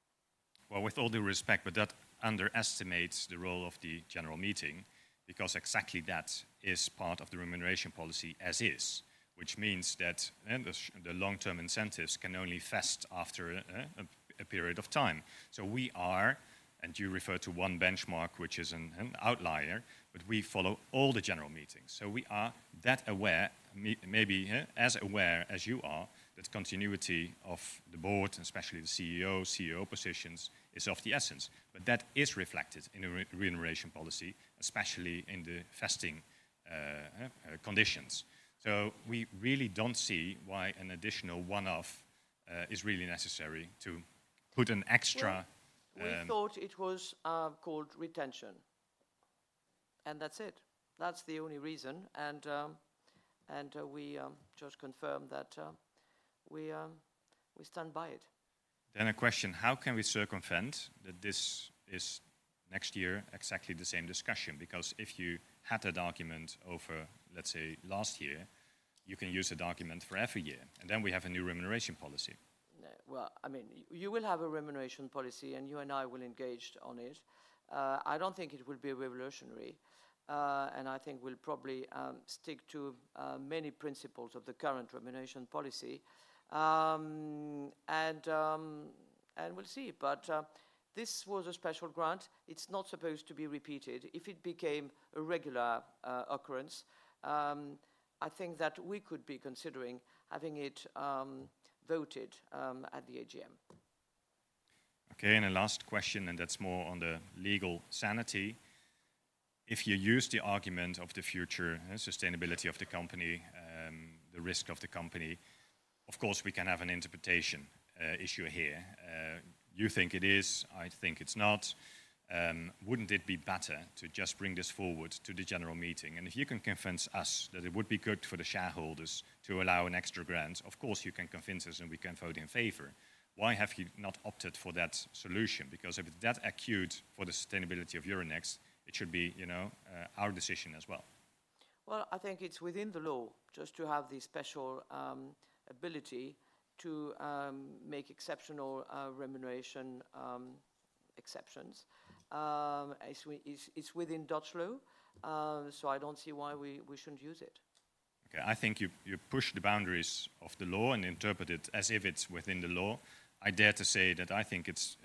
Well, with all due respect, but that underestimates the role of the general meeting, because exactly that is part of the remuneration policy as is, which means that the long-term incentives can only vest after a period of time. So we are, and you refer to one benchmark, which is an outlier, but we follow all the General Meetings. So we are that aware, maybe as aware as you are, that continuity of the board, and especially the CEO, COO positions, is of the essence. But that is reflected in the Remuneration Policy, especially in the vesting conditions. So we really don't see why an additional one-off is really necessary to put an extra, We thought it was called retention, and that's it. That's the only reason, and we stand by it. Then a question: How can we circumvent that this is next year exactly the same discussion? Because if you had an argument over, let's say, last year, you can use the document for every year, and then we have a new remuneration policy. No. Well, I mean, you will have a Remuneration Policy, and you and I will engage on it. I don't think it will be revolutionary, and I think we'll probably stick to many principles of the current Remuneration Policy. And we'll see. But this was a special grant. It's not supposed to be repeated. If it became a regular occurrence, I think that we could be considering having it voted at the AGM. Okay, and the last question, and that's more on the legal sanity. If you use the argument of the future and sustainability of the company, the risk of the company, of course, we can have an interpretation issue here. You think it is; I think it's not. Wouldn't it be better to just bring this forward to the General Meeting? And if you can convince us that it would be good for the shareholders to allow an extra grant, of course, you can convince us, and we can vote in favor. Why have you not opted for that solution? Because if it's that acute for the sustainability of Euronext, it should be, you know, our decision as well. Well, I think it's within the law just to have the special ability to make exceptional remuneration exceptions. It's within Dutch law, so I don't see why we shouldn't use it. Okay, I think you push the boundaries of the law and interpret it as if it's within the law. I dare to say that I think it's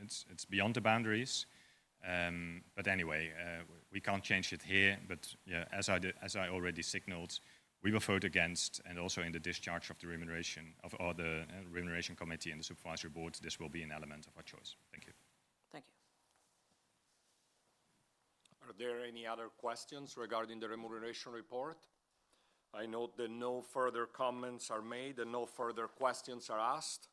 beyond the boundaries. But anyway, we can't change it here, but, yeah, as I already signaled, we will vote against, and also in the discharge of the remuneration of all the Remuneration Committee and the Supervisory Board, this will be an element of our choice. Thank you. Thank you. Are there any other questions regarding the Remuneration Report? I note that no further comments are made, and no further questions are asked.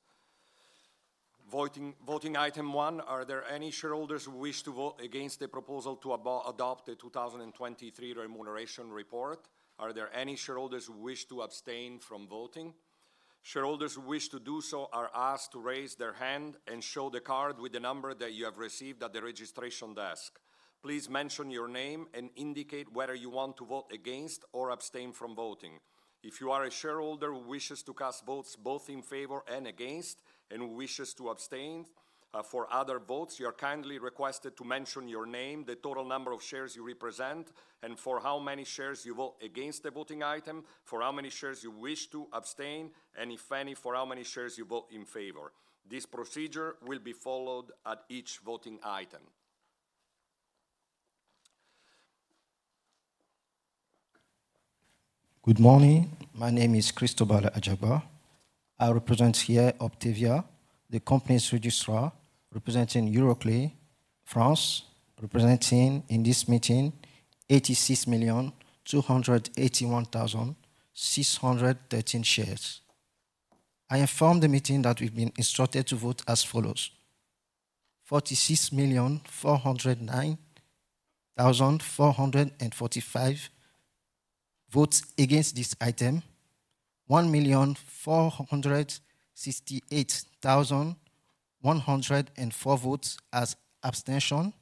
Voting, voting item one: Are there any shareholders who wish to vote against the proposal to adopt the 2023 Remuneration Report? Are there any shareholders who wish to abstain from voting? Shareholders who wish to do so are asked to raise their hand and show the card with the number that you have received at the registration desk. Please mention your name and indicate whether you want to vote against or abstain from voting. If you are a shareholder who wishes to cast votes both in favor and against, and who wishes to abstain, for other votes, you are kindly requested to mention your name, the total number of shares you represent, and for how many shares you vote against the voting item, for how many shares you wish to abstain, and if any, for how many shares you vote in favor. This procedure will be followed at each voting item. Good morning. My name is Christophe Adjaba. I represent here Uptevia, the company's registrar, representing Euroclear France, representing in this meeting 86,281,613 shares. I inform the meeting that we've been instructed to vote as follows: 46,409,445 votes against this item, 1,468,104 votes as abstention,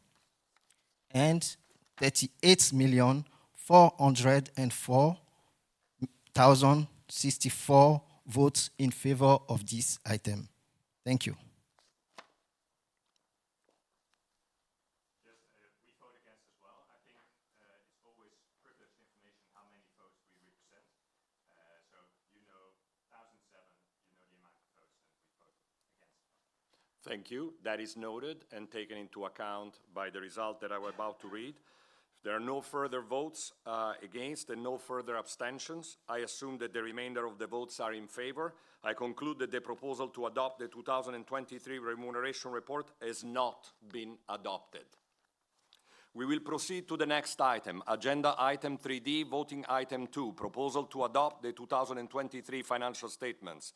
and 38,404,064 votes in favor of this item. Thank you. Just, we vote against as well. I think, it's always privileged information, how many votes we represent. So you know 1,007, you know the amount of votes, and we vote against. Thank you. That is noted and taken into account by the result that I were about to read. If there are no further votes, against and no further abstentions, I assume that the remainder of the votes are in favor. I conclude that the proposal to adopt the 2023 Remuneration Report has not been adopted. We will proceed to the next item, agenda item 3D, voting item 2: Proposal to adopt the 2023 financial statements.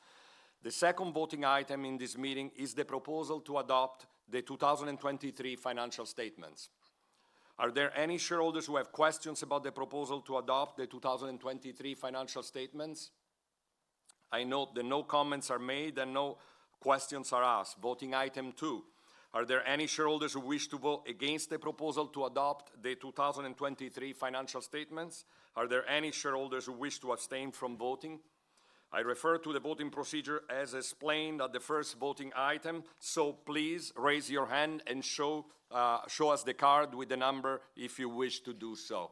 The second voting item in this meeting is the proposal to adopt the 2023 financial statements. Are there any shareholders who have questions about the proposal to adopt the 2023 financial statements? I note that no comments are made, and no questions are asked. Voting item two: Are there any shareholders who wish to vote against the proposal to adopt the 2023 financial statements? Are there any shareholders who wish to abstain from voting? I refer to the voting procedure as explained at the first voting item. Please raise your hand and show us the card with the number if you wish to do so.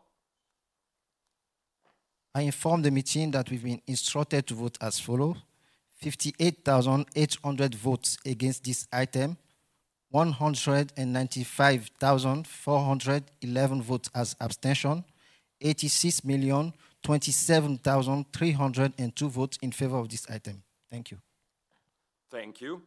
I inform the meeting that we've been instructed to vote as follows: 58,800 votes against this item, 195,411 votes as abstention, 86,027,302 votes in favor of this item. Thank you. Thank you.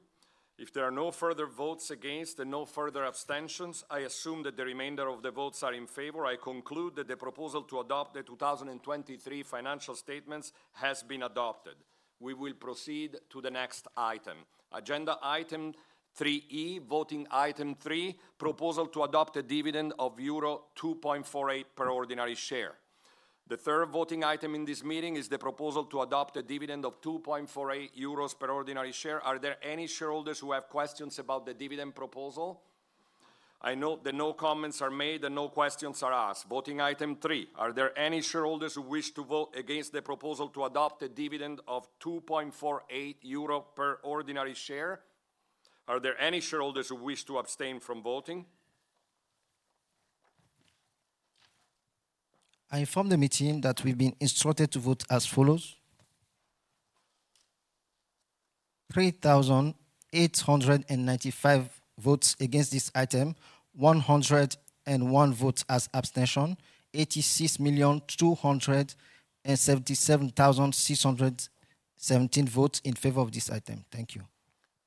If there are no further votes against and no further abstentions, I assume that the remainder of the votes are in favor. I conclude that the proposal to adopt the 2023 financial statements has been adopted. We will proceed to the next item, agenda item 3E, voting item 3: Proposal to adopt a dividend of euro 2.48 per ordinary share. The third voting item in this meeting is the proposal to adopt a dividend of 2.48 euros per ordinary share. Are there any shareholders who have questions about the dividend proposal?... I note that no comments are made and no questions are asked. Voting item 3: Are there any shareholders who wish to vote against the proposal to adopt a dividend of 2.48 euro per ordinary share? Are there any shareholders who wish to abstain from voting? I inform the meeting that we've been instructed to vote as follows: 3,895 votes against this item, 101 votes as abstention, 86,277,617 votes in favor of this item. Thank you.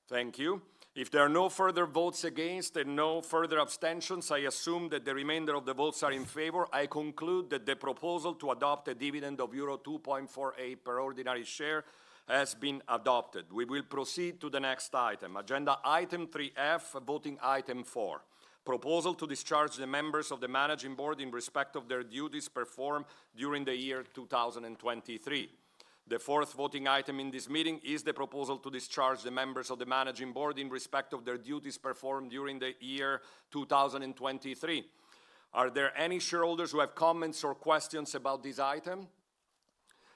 Thank you. If there are no further votes against and no further abstentions, I assume that the remainder of the votes are in favor. I conclude that the proposal to adopt a dividend of euro 2.48 per ordinary share has been adopted. We will proceed to the next item, agenda item 3F, voting item 4: Proposal to discharge the members of the Managing Board in respect of their duties performed during the year 2023. The fourth voting item in this meeting is the proposal to discharge the members of the Managing Board in respect of their duties performed during the year 2023. Are there any shareholders who have comments or questions about this item?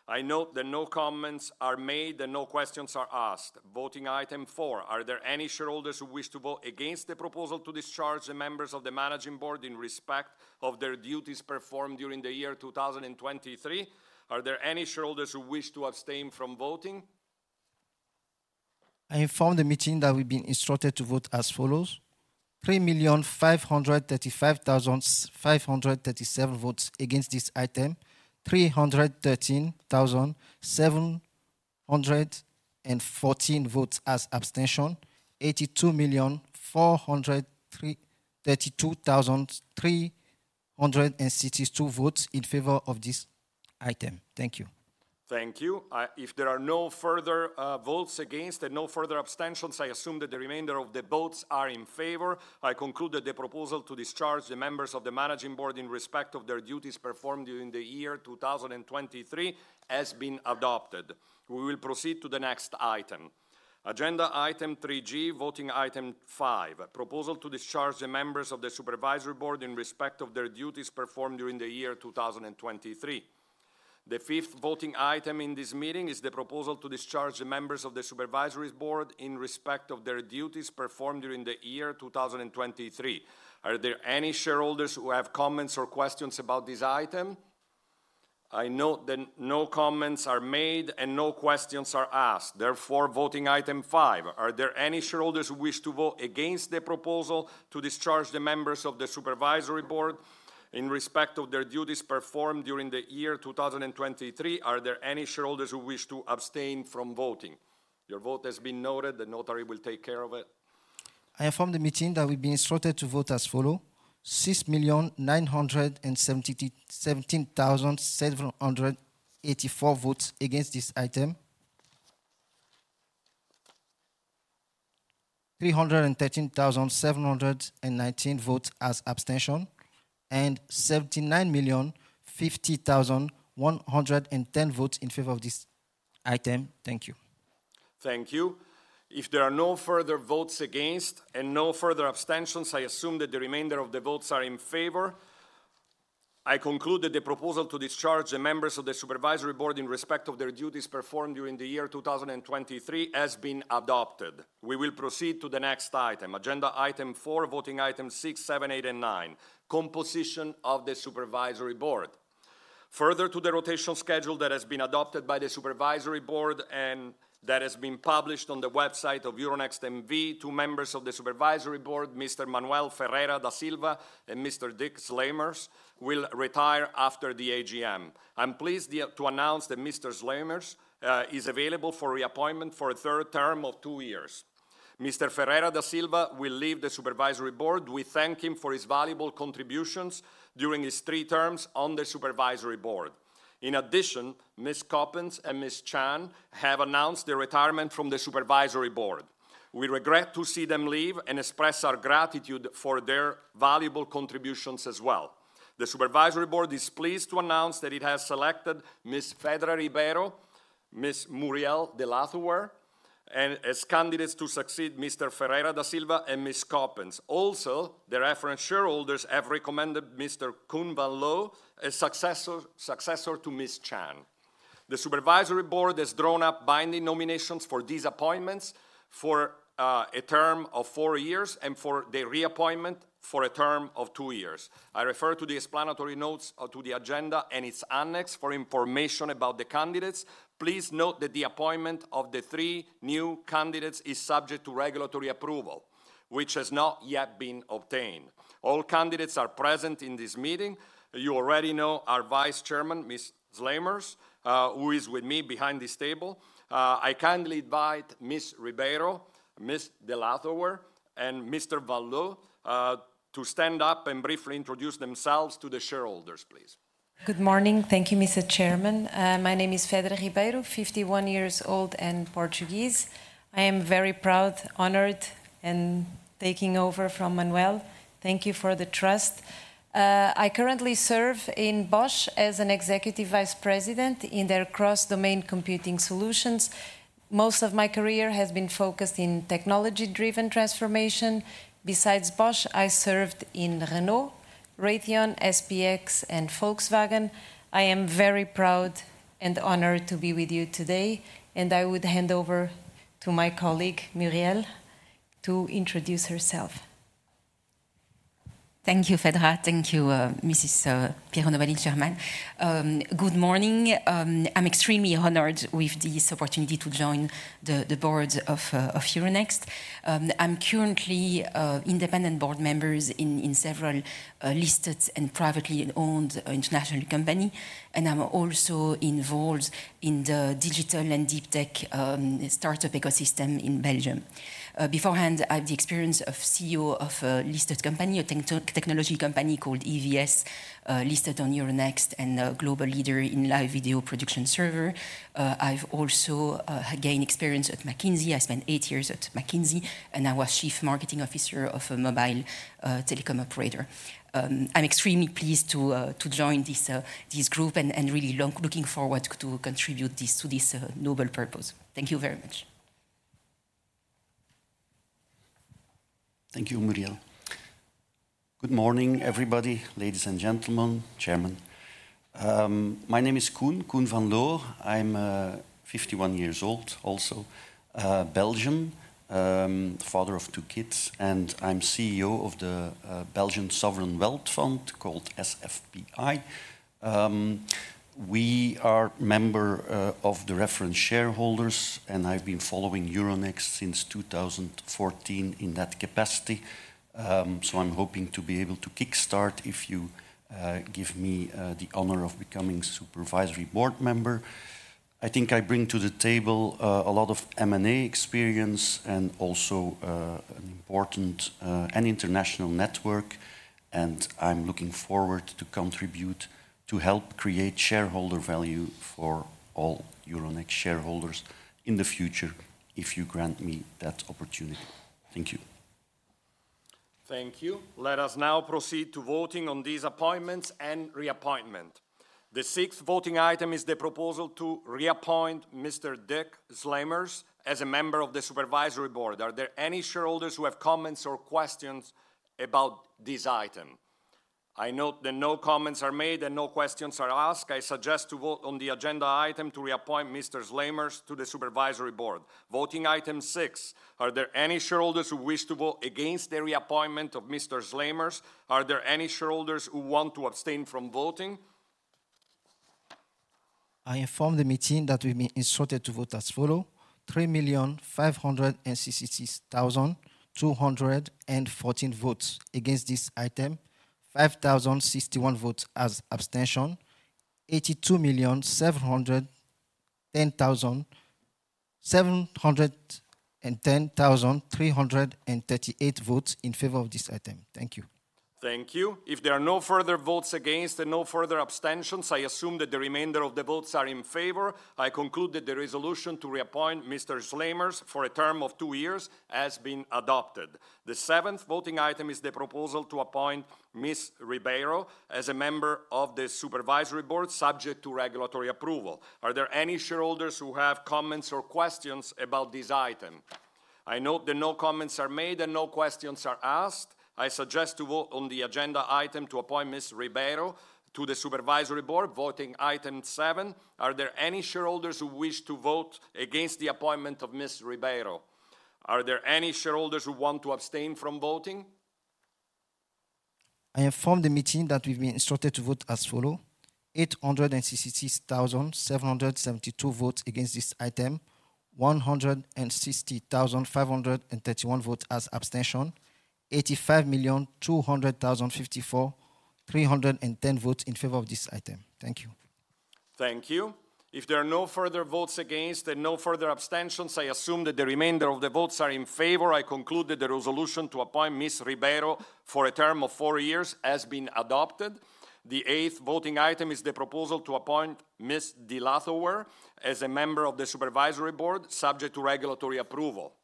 I note that no comments are made and no questions are asked. Voting item four: Are there any shareholders who wish to vote against the proposal to discharge the members of the Managing Board in respect of their duties performed during the year 2023? Are there any shareholders who wish to abstain from voting? I inform the meeting that we've been instructed to vote as follows: 3,535,537 votes against this item, 313,714 votes as abstention, 82,432,362 votes in favor of this item. Thank you. Thank you. If there are no further votes against and no further abstentions, I assume that the remainder of the votes are in favor. I conclude that the proposal to discharge the members of the Managing Board in respect of their duties performed during the year 2023 has been adopted. We will proceed to the next item. Agenda item three G, voting item five: Proposal to discharge the members of the Supervisory Board in respect of their duties performed during the year 2023. The fifth voting item in this meeting is the proposal to discharge the members of the Supervisory Board in respect of their duties performed during the year 2023. Are there any shareholders who have comments or questions about this item? I note that no comments are made and no questions are asked. Therefore, voting item five: Are there any shareholders who wish to vote against the proposal to discharge the members of the Supervisory Board in respect of their duties performed during the year 2023? Are there any shareholders who wish to abstain from voting? Your vote has been noted. The notary will take care of it. I inform the meeting that we've been instructed to vote as follow: 6,977,784 votes against this item, 313,719 votes as abstention, and 79,050,110 votes in favor of this item. Thank you. Thank you. If there are no further votes against and no further abstentions, I assume that the remainder of the votes are in favor. I conclude that the proposal to discharge the members of the Supervisory Board in respect of their duties performed during the year 2023 has been adopted. We will proceed to the next item, agenda item four, voting item six, seven, eight, and nine: Composition of the Supervisory Board. Further to the rotational schedule that has been adopted by the Supervisory Board and that has been published on the website of Euronext N.V., two members of the Supervisory Board, Mr. Manuel Ferreira da Silva and Mr. Dick Sluimers, will retire after the AGM. I'm pleased to announce that Mr. Sluimers is available for reappointment for a third term of two years. Mr. Ferreira da Silva will leave the Supervisory Board. We thank him for his valuable contributions during his three terms on the Supervisory Board. In addition, Ms. Coppens and Ms. Chan have announced their retirement from the Supervisory Board. We regret to see them leave and express our gratitude for their valuable contributions as well. The Supervisory Board is pleased to announce that it has selected Ms. Fedra Ribeiro, Ms. Muriel De Lathouwer, and as candidates to succeed Mr. Ferreira da Silva and Ms. Coppens. Also, the reference shareholders have recommended Mr. Koen Van Loo as successor, successor to Ms. Chan. The Supervisory Board has drawn up binding nominations for these appointments for a term of four years and for the reappointment for a term of two years. I refer to the explanatory notes to the agenda and its annex for information about the candidates. Please note that the appointment of the three new candidates is subject to regulatory approval, which has not yet been obtained. All candidates are present in this meeting. You already know our Vice Chairman, Mr. Sluimers, who is with me behind this table. I kindly invite Ms. Ribeiro, Ms. De Lathouwer, and Mr. Van Loo, to stand up and briefly introduce themselves to the shareholders, please. Good morning. Thank you, Mr. Chairman. My name is Fedra Ribeiro, 51 years old and Portuguese. I am very proud, honored in taking over from Manuel. Thank you for the trust. I currently serve in Bosch as an Executive Vice President in their Cross-Domain Computing Solutions.... most of my career has been focused in technology-driven transformation. Besides Bosch, I served in Renault, Raytheon, SPX, and Volkswagen. I am very proud and honored to be with you today, and I would hand over to my colleague, Muriel, to introduce herself. Thank you, Fedra. Thank you, Piero Novelli, Chairman. Good morning. I'm extremely honored with this opportunity to join the board of Euronext. I'm currently independent board member in several listed and privately owned international company, and I'm also involved in the digital and deep tech startup ecosystem in Belgium. Beforehand, I have the experience of CEO of a listed company, a technology company called EVS, listed on Euronext and a global leader in live video production server. I've also gained experience at McKinsey. I spent eight years at McKinsey, and I was Chief Marketing Officer of a mobile telecom operator. I'm extremely pleased to join this group and really looking forward to contribute to this noble purpose. Thank you very much. Thank you, Muriel. Good morning, everybody, ladies and gentlemen, Chairman. My name is Koen, Koen Van Loo. I'm 51 years old, also Belgian, father of two kids, and I'm CEO of the Belgian Sovereign Wealth Fund called SFPI. We are member of the reference shareholders, and I've been following Euronext since 2014 in that capacity. So I'm hoping to be able to kickstart if you give me the honor of becoming Supervisory Board member. I think I bring to the table a lot of M&A experience and also an important and international network, and I'm looking forward to contribute to help create shareholder value for all Euronext shareholders in the future, if you grant me that opportunity. Thank you. Thank you. Let us now proceed to voting on these appointments and reappointment. The sixth voting item is the proposal to reappoint Mr. Dick Sluimers as a member of the Supervisory Board. Are there any shareholders who have comments or questions about this item? I note that no comments are made, and no questions are asked. I suggest to vote on the agenda item to reappoint Mr. Sluimers to the Supervisory Board. Voting item six: Are there any shareholders who wish to vote against the reappointment of Mr. Sluimers? Are there any shareholders who want to abstain from voting? I inform the meeting that we've been instructed to vote as follow: 3,566,214 votes against this item, 5,061 votes as abstention, 82,710,338 votes in favor of this item. Thank you. Thank you. If there are no further votes against and no further abstentions, I assume that the remainder of the votes are in favor. I conclude that the resolution to reappoint Mr. Sluimers for a term of two years has been adopted. The seventh voting item is the proposal to appoint Ms. Ribeiro as a member of the Supervisory Board, subject to regulatory approval. Are there any shareholders who have comments or questions about this item? I note that no comments are made, and no questions are asked. I suggest to vote on the agenda item to appoint Ms. Ribeiro to the Supervisory Board. Voting item seven: Are there any shareholders who wish to vote against the appointment of Ms. Ribeiro? Are there any shareholders who want to abstain from voting? I inform the meeting that we've been instructed to vote as follows: 866,772 votes against this item, 160,531 votes as abstention, 85,254,310 votes in favor of this item. Thank you. Thank you. If there are no further votes against and no further abstentions, I assume that the remainder of the votes are in favor. I conclude that the resolution to appoint Ms. Ribeiro for a term of four years has been adopted. The eighth voting item is the proposal to appoint Ms. De Lathouwer as a member of the Supervisory Board, subject to regulatory approval.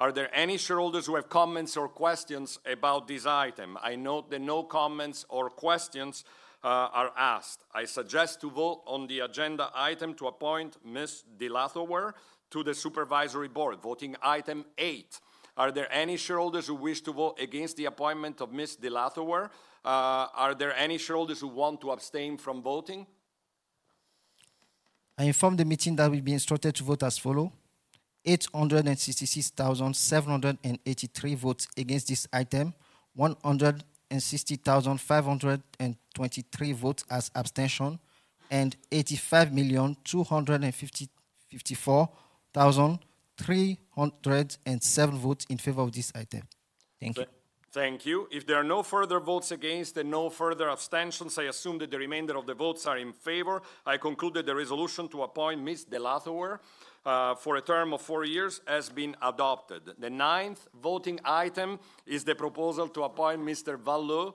Are there any shareholders who have comments or questions about this item? I note that no comments or questions are asked. I suggest to vote on the agenda item to appoint Ms. De Lathouwer to the Supervisory Board. Voting item eight: Are there any shareholders who wish to vote against the appointment of Ms. De Lathouwer? Are there any shareholders who want to abstain from voting? I inform the meeting that we've been instructed to vote as follow: 866,783 votes against this item, 160,523 votes as abstention, and 85,254,307 votes in favor of this item. Thank you. Thank you. If there are no further votes against and no further abstentions, I assume that the remainder of the votes are in favor. I conclude that the resolution to appoint Ms. De Lathouwer for a term of four years has been adopted. The ninth voting item is the proposal to appoint Mr. Van Loo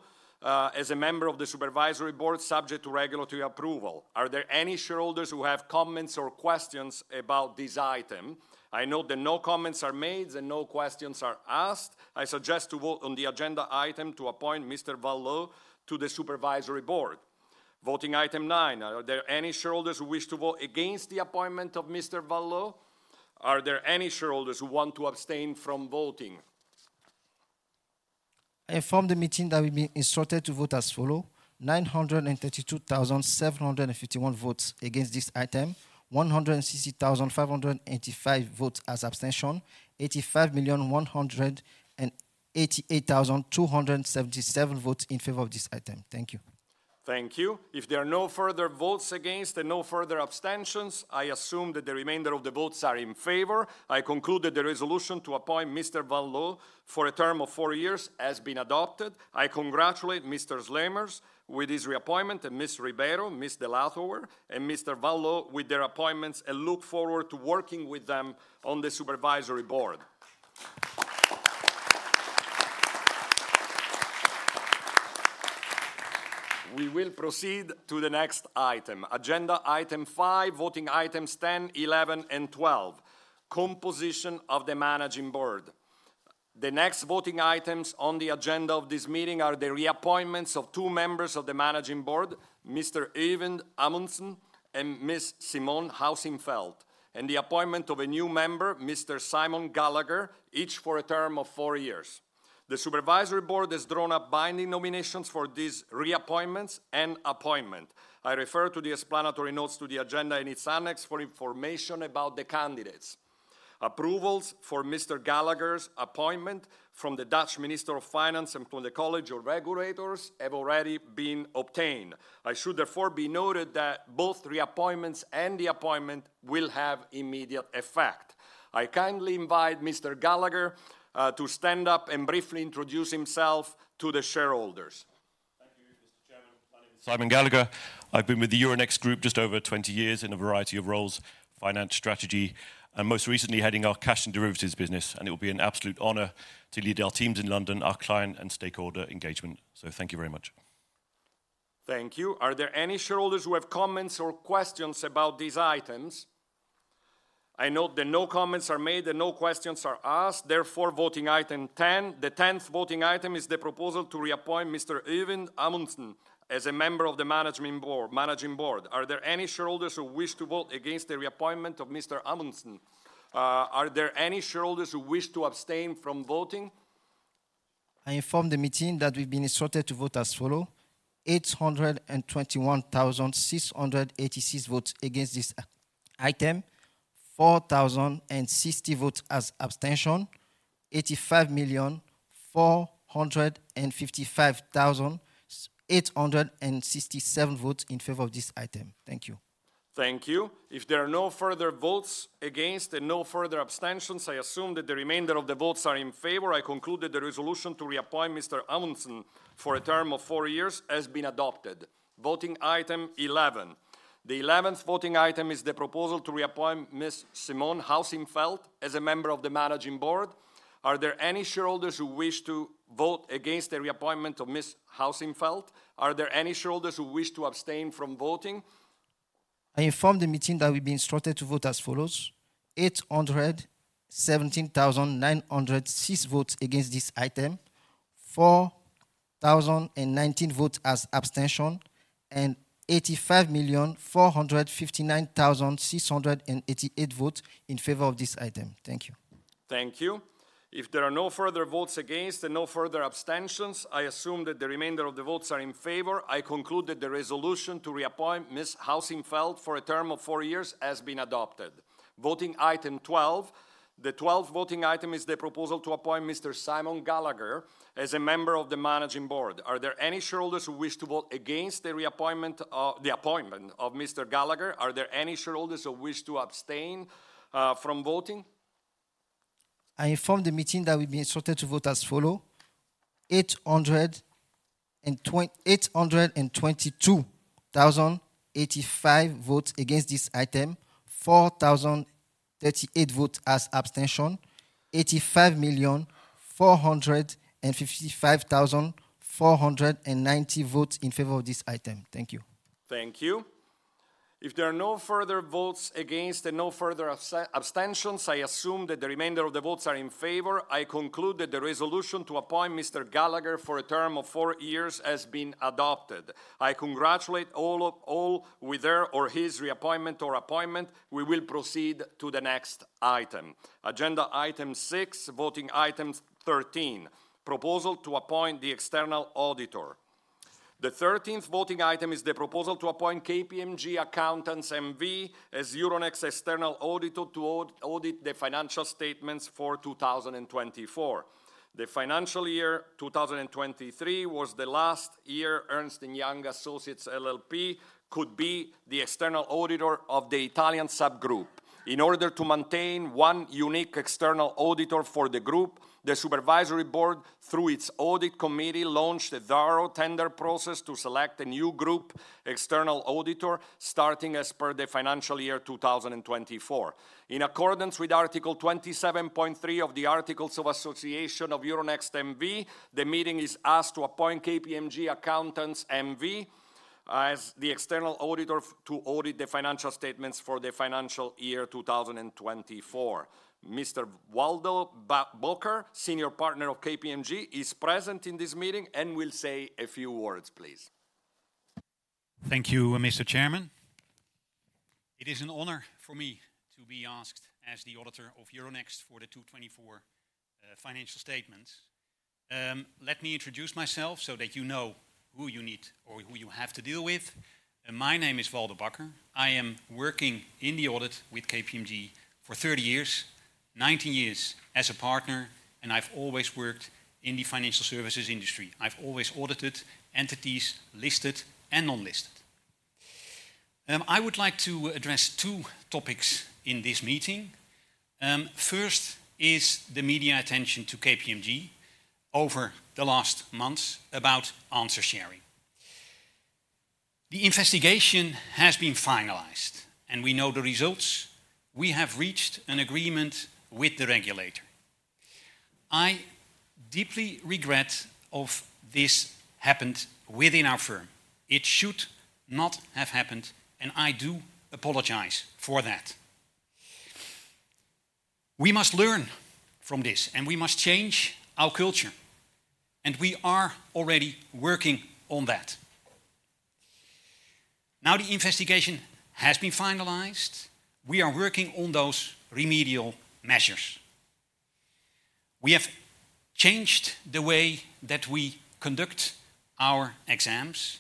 as a member of the Supervisory Board, subject to regulatory approval. Are there any shareholders who have comments or questions about this item? I note that no comments are made, and no questions are asked. I suggest to vote on the agenda item to appoint Mr. Van Loo to the Supervisory Board. Voting item nine: Are there any shareholders who wish to vote against the appointment of Mr. Van Loo? Are there any shareholders who want to abstain from voting? I inform the meeting that we've been instructed to vote as follow: 932,751 votes against this item, 160,585 votes as abstention, 85,188,277 votes in favor of this item. Thank you. Thank you. If there are no further votes against and no further abstentions, I assume that the remainder of the votes are in favor. I conclude that the resolution to appoint Mr. Van Loo for a term of four years has been adopted. I congratulate Mr. Sluimers with his reappointment, and Ms. Ribeiro, Ms. de Lathouwer, and Mr. Van Loo with their appointments, and look forward to working with them on the Supervisory Board. We will proceed to the next item. Agenda item 5, voting items 10, 11, and 12: composition of the Managing Board. The next voting items on the agenda of this meeting are the reappointments of two members of the Managing Board, Mr. Øivind Amundsen and Ms. Simone Huis in 't Veld, and the appointment of a new member, Mr. Simon Gallagher, each for a term of four years. The Supervisory Board has drawn up binding nominations for these reappointments and appointment. I refer to the explanatory notes to the agenda and its annex for information about the candidates. Approvals for Mr. Gallagher's appointment from the Dutch Minister of Finance and from the College of Regulators have already been obtained. I should therefore be noted that both reappointments and the appointment will have immediate effect. I kindly invite Mr. Gallagher to stand up and briefly introduce himself to the shareholders. Thank you, Mr. Chairman. My name is Simon Gallagher. I've been with the Euronext Group just over 20 years in a variety of roles: finance, strategy, and most recently, heading our cash and derivatives business, and it will be an absolute honor to lead our teams in London, our client and stakeholder engagement. So thank you very much. Thank you. Are there any shareholders who have comments or questions about these items? I note that no comments are made and no questions are asked. Therefore, voting item ten. The tenth voting item is the proposal to reappoint Mr. Øivind Amundsen as a member of the Management Board, Managing Board. Are there any shareholders who wish to vote against the reappointment of Mr. Amundsen? Are there any shareholders who wish to abstain from voting? I inform the meeting that we've been instructed to vote as follows: 821,686 votes against this item, 4,060 votes as abstention, 85,455,867 votes in favor of this item. Thank you. Thank you. If there are no further votes against and no further abstentions, I assume that the remainder of the votes are in favor. I conclude that the resolution to reappoint Mr. Amundsen for a term of four years has been adopted. Voting item eleven. The eleventh voting item is the proposal to reappoint Ms. Simone Huis in 't Veld as a member of the Managing Board. Are there any shareholders who wish to vote against the reappointment of Ms. Huis in 't Veld? Are there any shareholders who wish to abstain from voting? I inform the meeting that we've been instructed to vote as follows: 817,906 votes against this item, 4,019 votes as abstention, and 85,459,688 votes in favor of this item. Thank you. Thank you. If there are no further votes against and no further abstentions, I assume that the remainder of the votes are in favor. I conclude that the resolution to reappoint Ms. Huis in 't Veld for a term of 4 years has been adopted. Voting item 12. The 12th voting item is the proposal to appoint Mr. Simon Gallagher as a member of the Managing Board. Are there any shareholders who wish to vote against the reappointment of... the appointment of Mr. Gallagher? Are there any shareholders who wish to abstain from voting? I inform the meeting that we've been instructed to vote as follow: 822,085 votes against this item, 4,038 votes as abstention, 85,455,490 votes in favor of this item. Thank you. Thank you. If there are no further votes against and no further abstentions, I assume that the remainder of the votes are in favor. I conclude that the resolution to appoint Mr. Gallagher for a term of four years has been adopted. I congratulate all with their or his reappointment or appointment. We will proceed to the next item. Agenda item six, voting item 13: proposal to appoint the external auditor. The 13th voting item is the proposal to appoint KPMG Accountants N.V. as Euronext external auditor to audit the financial statements for 2024. The financial year 2023 was the last year Ernst & Young LLP could be the external auditor of the Italian subgroup. In order to maintain one unique external auditor for the group, the Supervisory Board, through its Audit Committee, launched a thorough tender process to select a new group external auditor, starting as per the financial year 2024. In accordance with Article 27.3 of the Articles of Association of Euronext N.V., the meeting is asked to appoint KPMG Accountants N.V. as the external auditor to audit the financial statements for the financial year 2024. Mr. Waldo Bakker, Senior Partner of KPMG, is present in this meeting and will say a few words, please.... Thank you, Mr. Chairman. It is an honor for me to be asked as the auditor of Euronext for the 2024 financial statements. Let me introduce myself so that you know who you need or who you have to deal with. My name is Waldo Bakker. I am working in the audit with KPMG for 30 years, 19 years as a partner, and I've always worked in the financial services industry. I've always audited entities listed and non-listed. I would like to address 2 topics in this meeting. First is the media attention to KPMG over the last months about answer sharing. The investigation has been finalized, and we know the results. We have reached an agreement with the regulator. I deeply regret of this happened within our firm. It should not have happened, and I do apologize for that. We must learn from this, and we must change our culture, and we are already working on that. Now, the investigation has been finalized. We are working on those remedial measures. We have changed the way that we conduct our exams,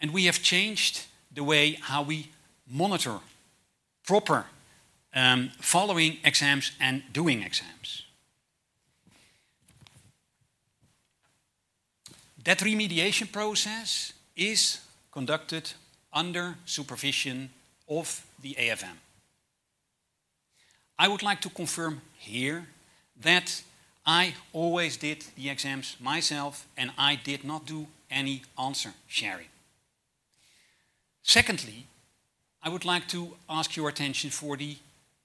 and we have changed the way how we monitor proper, following exams and doing exams. That remediation process is conducted under supervision of the AFM. I would like to confirm here that I always did the exams myself, and I did not do any answer sharing. Secondly, I would like to ask your attention for the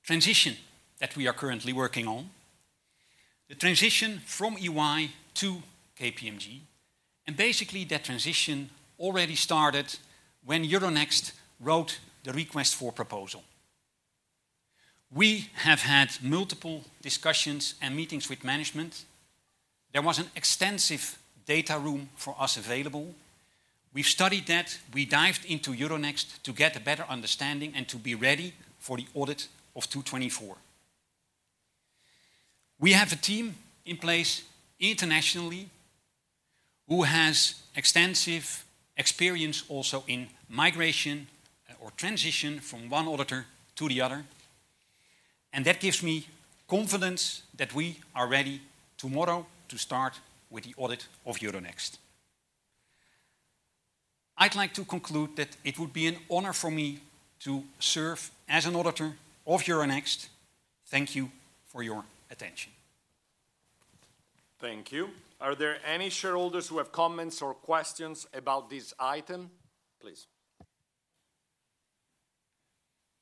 transition that we are currently working on, the transition from EY to KPMG, and basically, that transition already started when Euronext wrote the request for proposal. We have had multiple discussions and meetings with management. There was an extensive data room for us available. We've studied that. We dived into Euronext to get a better understanding and to be ready for the audit of 2024. We have a team in place internationally, who has extensive experience also in migration or transition from one auditor to the other, and that gives me confidence that we are ready tomorrow to start with the audit of Euronext. I'd like to conclude that it would be an honor for me to serve as an auditor of Euronext. Thank you for your attention. Thank you. Are there any shareholders who have comments or questions about this item? Please.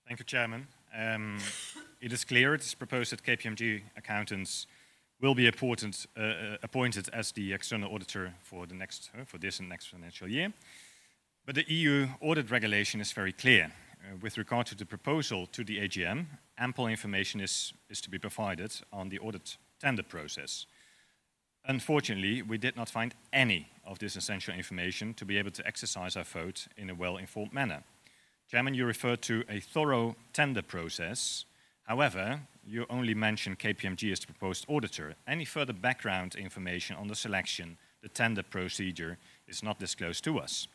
Thank you, Chairman. It is clear this proposed that KPMG Accountants will be appointed as the external auditor for this and next financial year. But the EU Audit Regulation is very clear. With regard to the proposal to the AGM, ample information is to be provided on the audit tender process. Unfortunately, we did not find any of this essential information to be able to exercise our vote in a well-informed manner. Chairman, you referred to a thorough tender process. However, you only mentioned KPMG as the proposed auditor. Any further background information on the selection, the tender procedure is not disclosed to us.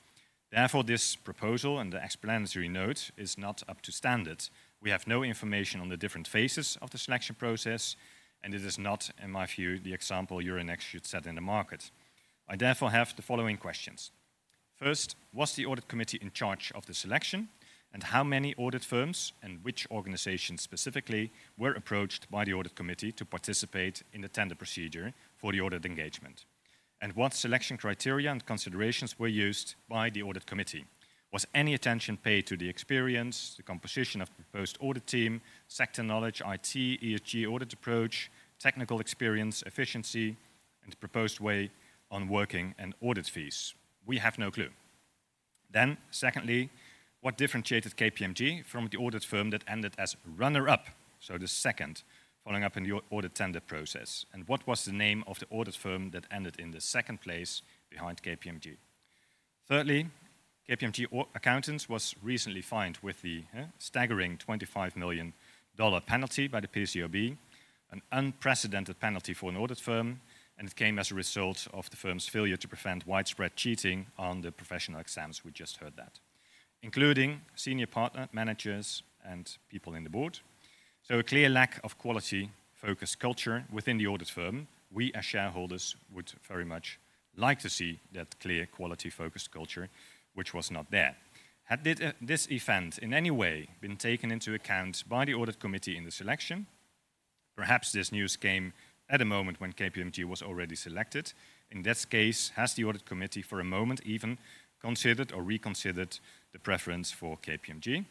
Therefore, this proposal and the explanatory note is not up to standard. We have no information on the different phases of the selection process, and it is not, in my view, the example Euronext should set in the market. I therefore have the following questions: First, was the Audit Committee in charge of the selection? And how many audit firms and which organizations specifically were approached by the Audit Committee to participate in the tender procedure for the audit engagement? And what selection criteria and considerations were used by the Audit Committee? Was any attention paid to the experience, the composition of the proposed audit team, sector knowledge, IT, ESG audit approach, technical experience, efficiency, and the proposed way on working and audit fees? We have no clue. Then secondly, what differentiated KPMG from the audit firm that ended as runner-up, so the second, following up in the audit tender process, and what was the name of the audit firm that ended in the second place behind KPMG? Thirdly, KPMG accountants was recently fined with the staggering $25 million penalty by the PCAOB, an unprecedented penalty for an audit firm, and it came as a result of the firm's failure to prevent widespread cheating on the professional exams. We just heard that, including senior partner, managers, and people in the board. So a clear lack of quality-focused culture within the audit firm. We, as shareholders, would very much like to see that clear quality-focused culture, which was not there. Had did this event, in any way, been taken into account by the Audit Committee in the selection? Perhaps this news came at a moment when KPMG was already selected. In that case, has the Audit Committee, for a moment, even considered or reconsidered the preference for KPMG?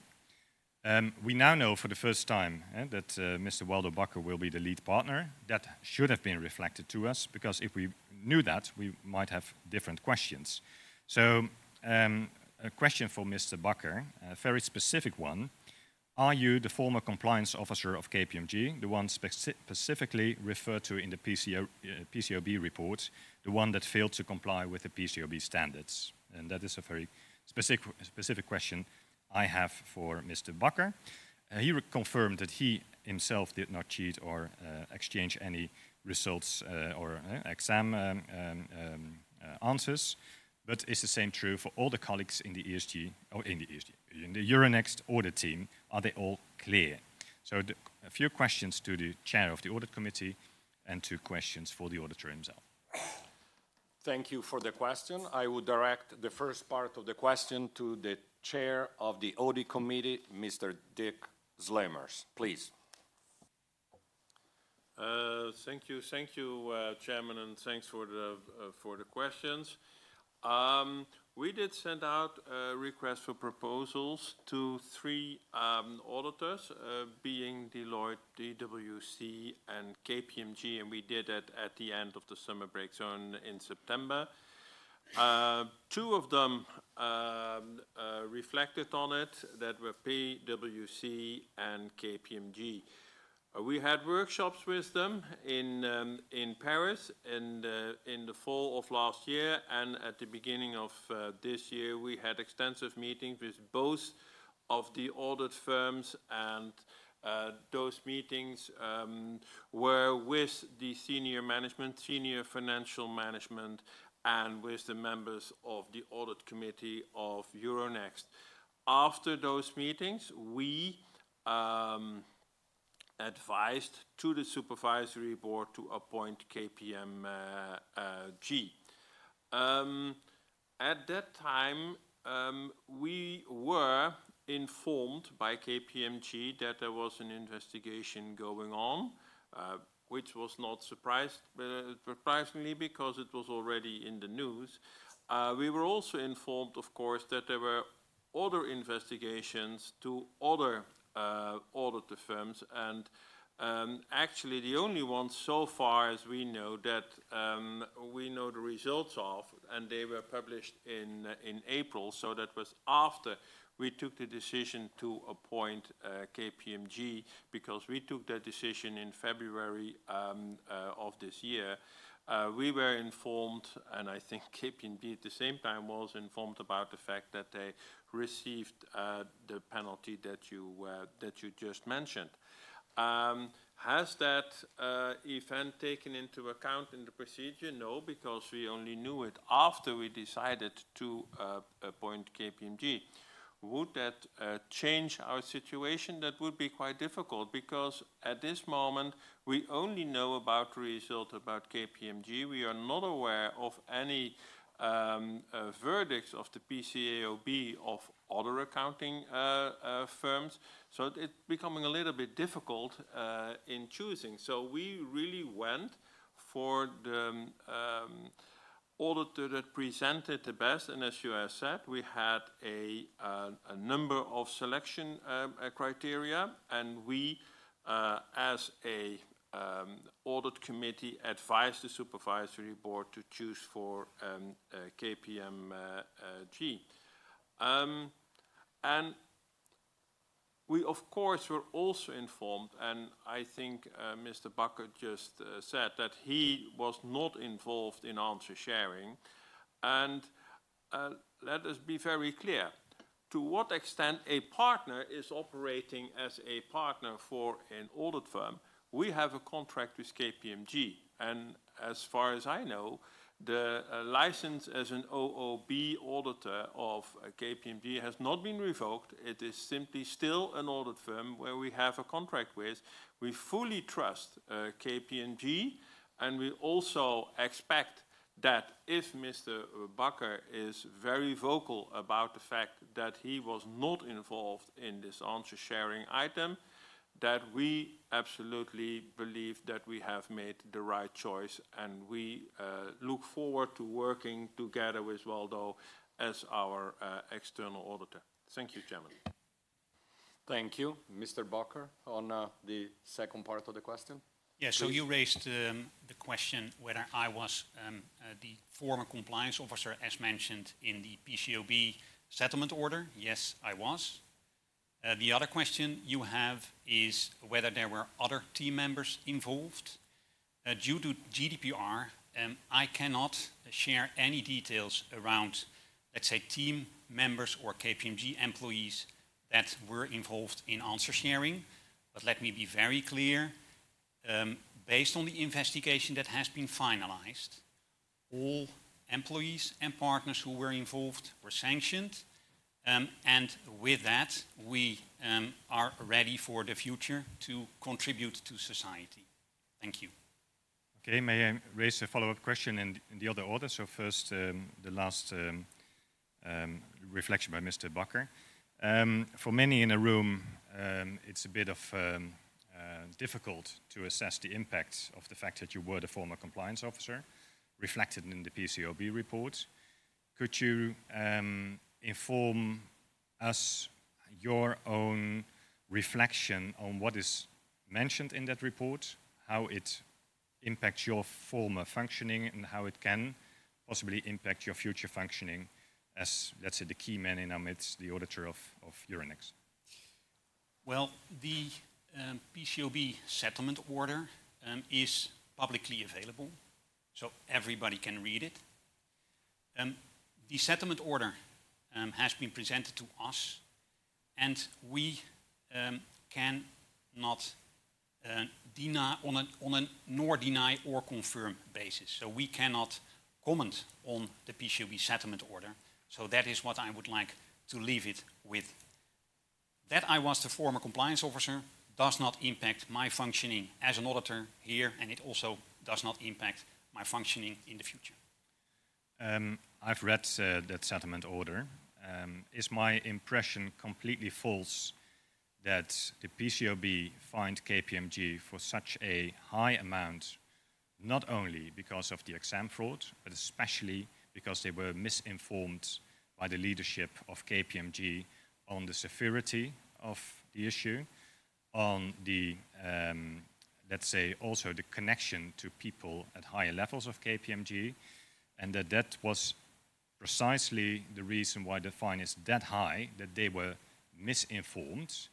We now know for the first time that Mr. Waldo Bakker will be the lead partner. That should have been reflected to us, because if we knew that, we might have different questions. So, a question for Mr. Bakker, a very specific one: Are you the former compliance officer of KPMG, the one specifically referred to in the PCAOB report, the one that failed to comply with the PCAOB standards? And that is a very specific, specific question I have for Mr. Bakker. He confirmed that he himself did not cheat or exchange any results or exam answers. But is the same true for all the colleagues in the ESG or in the ESG, in the Euronext audit team, are they all clear? So, a few questions to the chair of the Audit Committee and two questions for the auditor himself. Thank you for the question. I will direct the first part of the question to the chair of the Audit Committee, Mr. Dick Sluimers. Please. Thank you. Thank you, Chairman, and thanks for the questions. We did send out a request for proposals to three auditors, being Deloitte, PwC, and KPMG, and we did it at the end of the summer break, so in September. Two of them reflected on it, that were PwC and KPMG. We had workshops with them in Paris in the fall of last year, and at the beginning of this year, we had extensive meetings with both of the audit firms. And those meetings were with the senior management, senior financial management, and with the members of the Audit Committee of Euronext. After those meetings, we advised to the Supervisory Board to appoint KPMG. At that time, we were informed by KPMG that there was an investigation going on, which was not surprised, surprisingly, because it was already in the news. We were also informed, of course, that there were other investigations to other auditor firms, and actually, the only one so far as we know that we know the results of, and they were published in April. So that was after we took the decision to appoint KPMG, because we took that decision in February of this year. We were informed, and I think KPMG at the same time was informed about the fact that they received the penalty that you just mentioned. Has that event taken into account in the procedure? No, because we only knew it after we decided to appoint KPMG. Would that change our situation? That would be quite difficult, because at this moment, we only know about result about KPMG. We are not aware of any verdicts of the PCAOB of other accounting firms. So it's becoming a little bit difficult in choosing. So we really went for the auditor that presented the best, and as you have said, we had a a number of selection criteria, and we as a audit committee, advised the supervisory board to choose for KPMG. And we, of course, were also informed, and I think Mr. Bakker just said that he was not involved in answer sharing. Let us be very clear to what extent a partner is operating as a partner for an audit firm. We have a contract with KPMG, and as far as I know, the license as an OOB auditor of KPMG has not been revoked. It is simply still an audit firm where we have a contract with. We fully trust KPMG, and we also expect that if Mr. Bakker is very vocal about the fact that he was not involved in this answer sharing item, that we absolutely believe that we have made the right choice, and we look forward to working together with Waldo as our external auditor. Thank you, Chairman. Thank you. Mr. Bakker, on, the second part of the question. Yeah. Please. You raised the question whether I was the former compliance officer, as mentioned in the PCAOB settlement order. Yes, I was. The other question you have is whether there were other team members involved. Due to GDPR, I cannot share any details around, let's say, team members or KPMG employees that were involved in answer sharing. But let me be very clear, based on the investigation that has been finalized, all employees and partners who were involved were sanctioned. With that, we are ready for the future to contribute to society. Thank you. Okay. May I raise a follow-up question in the other order? So first, the last reflection by Mr. Bakker. For many in the room, it's a bit of difficult to assess the impact of the fact that you were the former compliance officer, reflected in the PCAOB report. Could you inform us your own reflection on what is mentioned in that report, how it impacts your former functioning and how it can possibly impact your future functioning as, let's say, the key man in amidst the auditor of Euronext? Well, the PCAOB settlement order is publicly available, so everybody can read it. The settlement order has been presented to us, and we cannot deny on a nor deny or confirm basis. So we cannot comment on the PCAOB settlement order, so that is what I would like to leave it with. That I was the former compliance officer does not impact my functioning as an auditor here, and it also does not impact my functioning in the future. I've read that settlement order. Is my impression completely false that the PCAOB fined KPMG for such a high amount, not only because of the exam fraud, but especially because they were misinformed by the leadership of KPMG on the severity of the issue, on the, let's say, also the connection to people at higher levels of KPMG, and that that was precisely the reason why the fine is that high, that they were misinformed,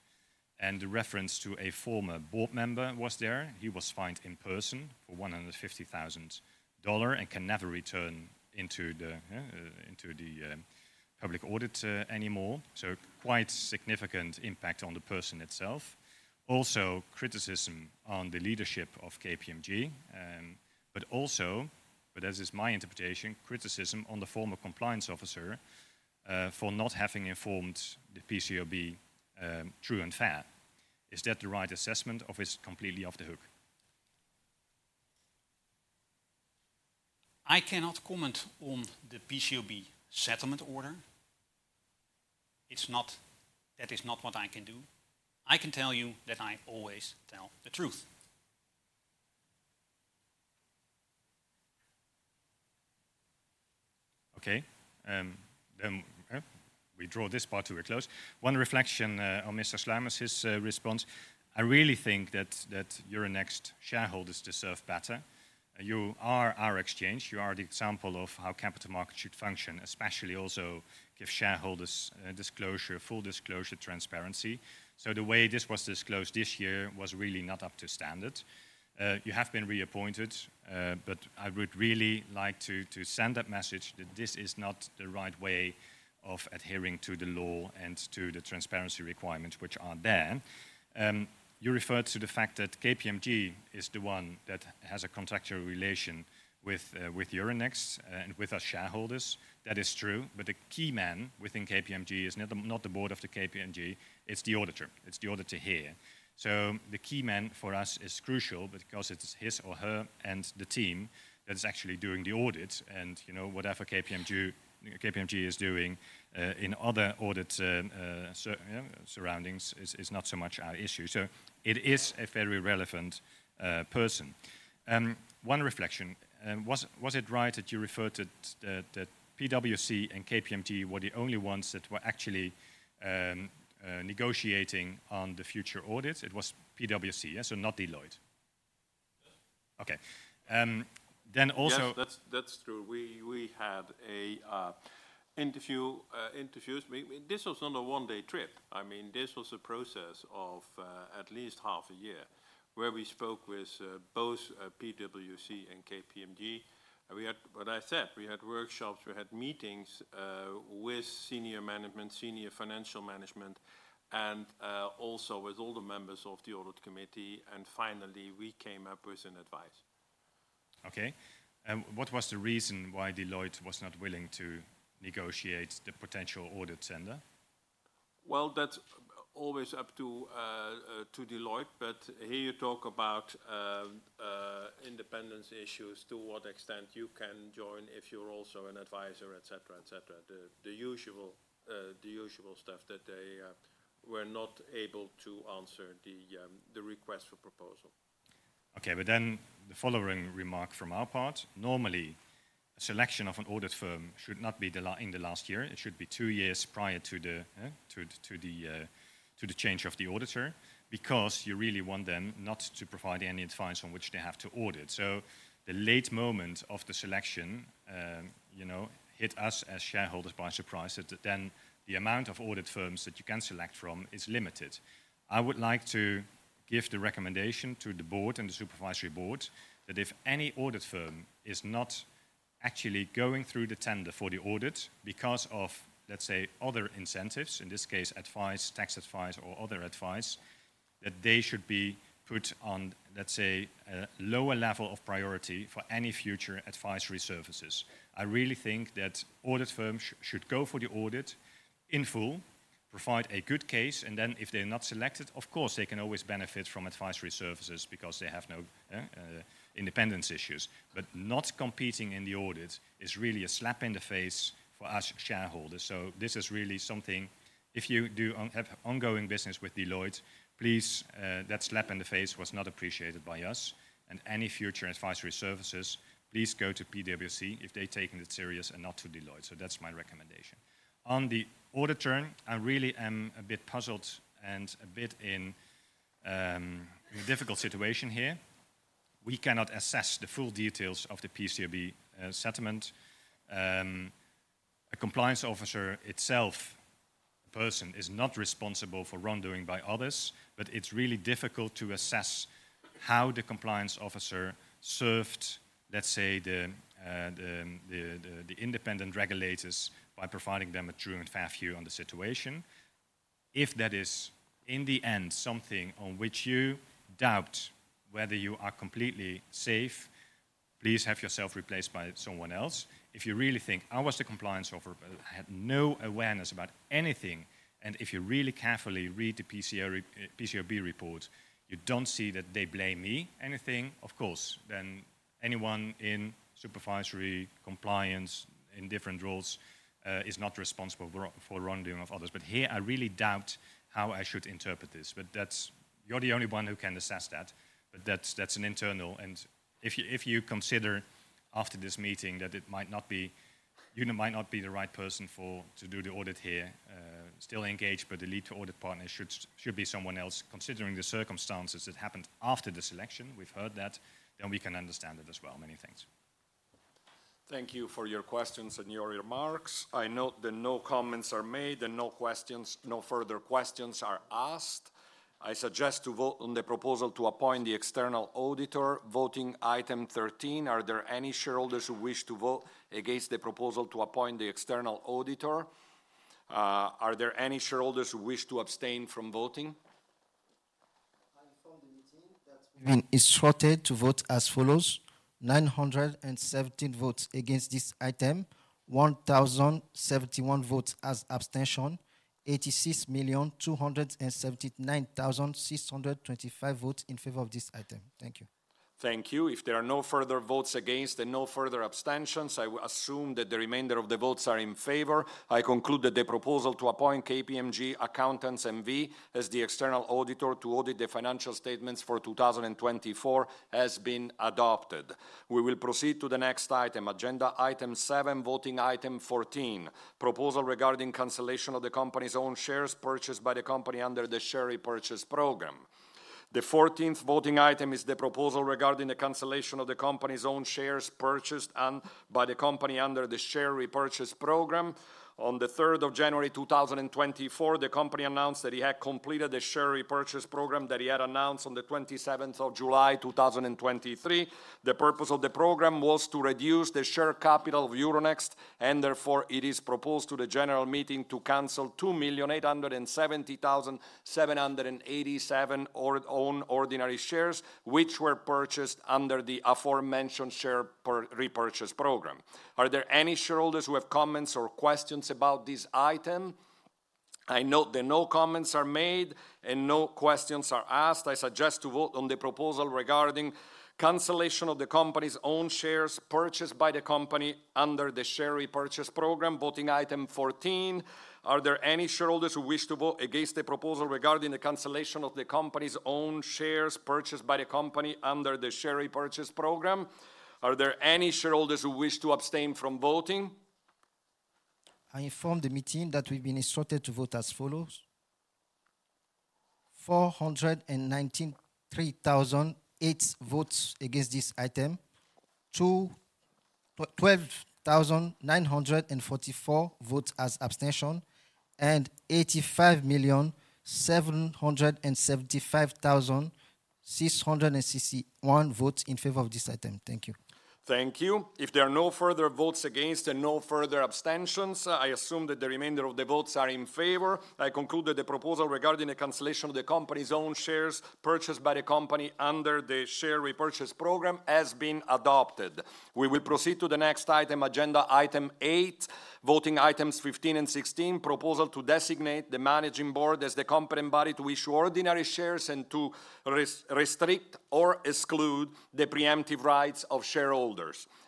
and the reference to a former board member was there. He was fined in person for $150,000 and can never return into the public audit anymore. So quite significant impact on the person itself. Also, criticism on the leadership of KPMG, but also, but this is my interpretation, criticism on the former compliance officer, for not having informed the PCAOB, true and fair. Is that the right assessment, or is completely off the hook? I cannot comment on the PCAOB settlement order. It's not... That is not what I can do. I can tell you that I always tell the truth. Okay. Then, we draw this part to a close. One reflection on Mr. Sluimers, his response: I really think that Euronext shareholders deserve better. You are our exchange. You are the example of how capital markets should function, especially also give shareholders disclosure, full disclosure, transparency. So the way this was disclosed this year was really not up to standard. You have been reappointed, but I would really like to send that message that this is not the right way of adhering to the law and to the transparency requirements which are there. You referred to the fact that KPMG is the one that has a contractual relation with Euronext and with us shareholders. That is true, but the key man within KPMG is not the board of the KPMG, it's the auditor. It's the auditor here. So the key man for us is crucial because it's his or her and the team that is actually doing the audit, and, you know, whatever KPMG is doing in other audit surroundings is not so much our issue. So it is a very relevant person. One reflection: was it right that you referred to that PwC and KPMG were the only ones that were actually negotiating on the future audit? It was PwC, yes, so not Deloitte. Yes. Okay, then also- Yes, that's true. We had interviews. This was not a one-day trip. I mean, this was a process of at least half a year, where we spoke with both PwC and KPMG. We had. What I said, we had workshops, we had meetings with senior management, senior financial management, and also with all the members of the Audit Committee, and finally, we came up with an advice. Okay. And what was the reason why Deloitte was not willing to negotiate the potential audit tender? Well, that's always up to Deloitte, but here you talk about independence issues, to what extent you can join if you're also an advisor, etc., etc. The usual stuff that they were not able to answer the request for proposal. Okay, but then the following remark from our part: normally, selection of an audit firm should not be the last year. It should be two years prior to the change of the auditor, because you really want them not to provide any advice on which they have to audit. So the late moment of the selection, you know, hit us as shareholders by surprise, that then the amount of audit firms that you can select from is limited. I would like to give the recommendation to the board and the Supervisory Board that if any audit firm is not actually going through the tender for the audit because of, let's say, other incentives, in this case, advice, tax advice or other advice, that they should be put on, let's say, a lower level of priority for any future advisory services. I really think that audit firms should go for the audit in full, provide a good case, and then if they're not selected, of course, they can always benefit from advisory services because they have no independence issues. But not competing in the audit is really a slap in the face for us shareholders. So this is really something... If you don't have ongoing business with Deloitte, please, that slap in the face was not appreciated by us, and any future advisory services, please go to PwC if they're taking it serious and not to Deloitte. So that's my recommendation... on the audit tender, I really am a bit puzzled and a bit in a difficult situation here. We cannot assess the full details of the PCAOB settlement. A compliance officer itself, person, is not responsible for wrongdoing by others, but it's really difficult to assess how the compliance officer served, let's say, the independent regulators by providing them a true and fair view on the situation. If that is, in the end, something on which you doubt whether you are completely safe, please have yourself replaced by someone else. If you really think, "I was the compliance officer, I had no awareness about anything," and if you really carefully read the PCAOB report, you don't see that they blame me anything, of course, then anyone in supervisory compliance in different roles is not responsible for wrong, for wrongdoing of others. But here, I really doubt how I should interpret this, but that's... You're the only one who can assess that, but that's, that's an internal, and if you consider after this meeting that it might not be you might not be the right person for to do the audit here, still engaged, but the lead to audit partner should be someone else, considering the circumstances that happened after the selection, we've heard that, then we can understand it as well. Many thanks. Thank you for your questions and your remarks. I note that no comments are made and no questions, no further questions are asked. I suggest to vote on the proposal to appoint the external auditor, voting item 13. Are there any shareholders who wish to vote against the proposal to appoint the external auditor? Are there any shareholders who wish to abstain from voting? I inform the meeting that we've been instructed to vote as follows: 917 votes against this item, 1,071 votes as abstention, 86,279,625 votes in favor of this item. Thank you. Thank you. If there are no further votes against and no further abstentions, I will assume that the remainder of the votes are in favor. I conclude that the proposal to appoint KPMG Accountants N.V. as the external auditor to audit the financial statements for 2024 has been adopted. We will proceed to the next item, agenda item 7, voting item 14: proposal regarding cancellation of the company's own shares purchased by the company under the share repurchase program. The 14th voting item is the proposal regarding the cancellation of the company's own shares purchased by the company under the share repurchase program. On the third of January 2024, the company announced that it had completed the share repurchase program that it had announced on the 27th of July 2023. The purpose of the program was to reduce the share capital of Euronext, and therefore, it is proposed to the general meeting to cancel 2,870,777 own ordinary shares, which were purchased under the aforementioned share repurchase program. Are there any shareholders who have comments or questions about this item? I note that no comments are made and no questions are asked. I suggest to vote on the proposal regarding cancellation of the company's own shares purchased by the company under the share repurchase program, voting item 14. Are there any shareholders who wish to vote against the proposal regarding the cancellation of the company's own shares purchased by the company under the share repurchase program? Are there any shareholders who wish to abstain from voting? I inform the meeting that we've been instructed to vote as follows: 493,008 votes against this item, 12,944 votes as abstention, and 85,775,661 votes in favor of this item. Thank you. Thank you. If there are no further votes against and no further abstentions, I assume that the remainder of the votes are in favor. I conclude that the proposal regarding the cancellation of the company's own shares purchased by the company under the share repurchase program has been adopted. We will proceed to the next item, agenda item 8, voting items 15 and 16: proposal to designate the Managing Board as the competent body to issue ordinary shares and to restrict or exclude the preemptive rights of shareholders.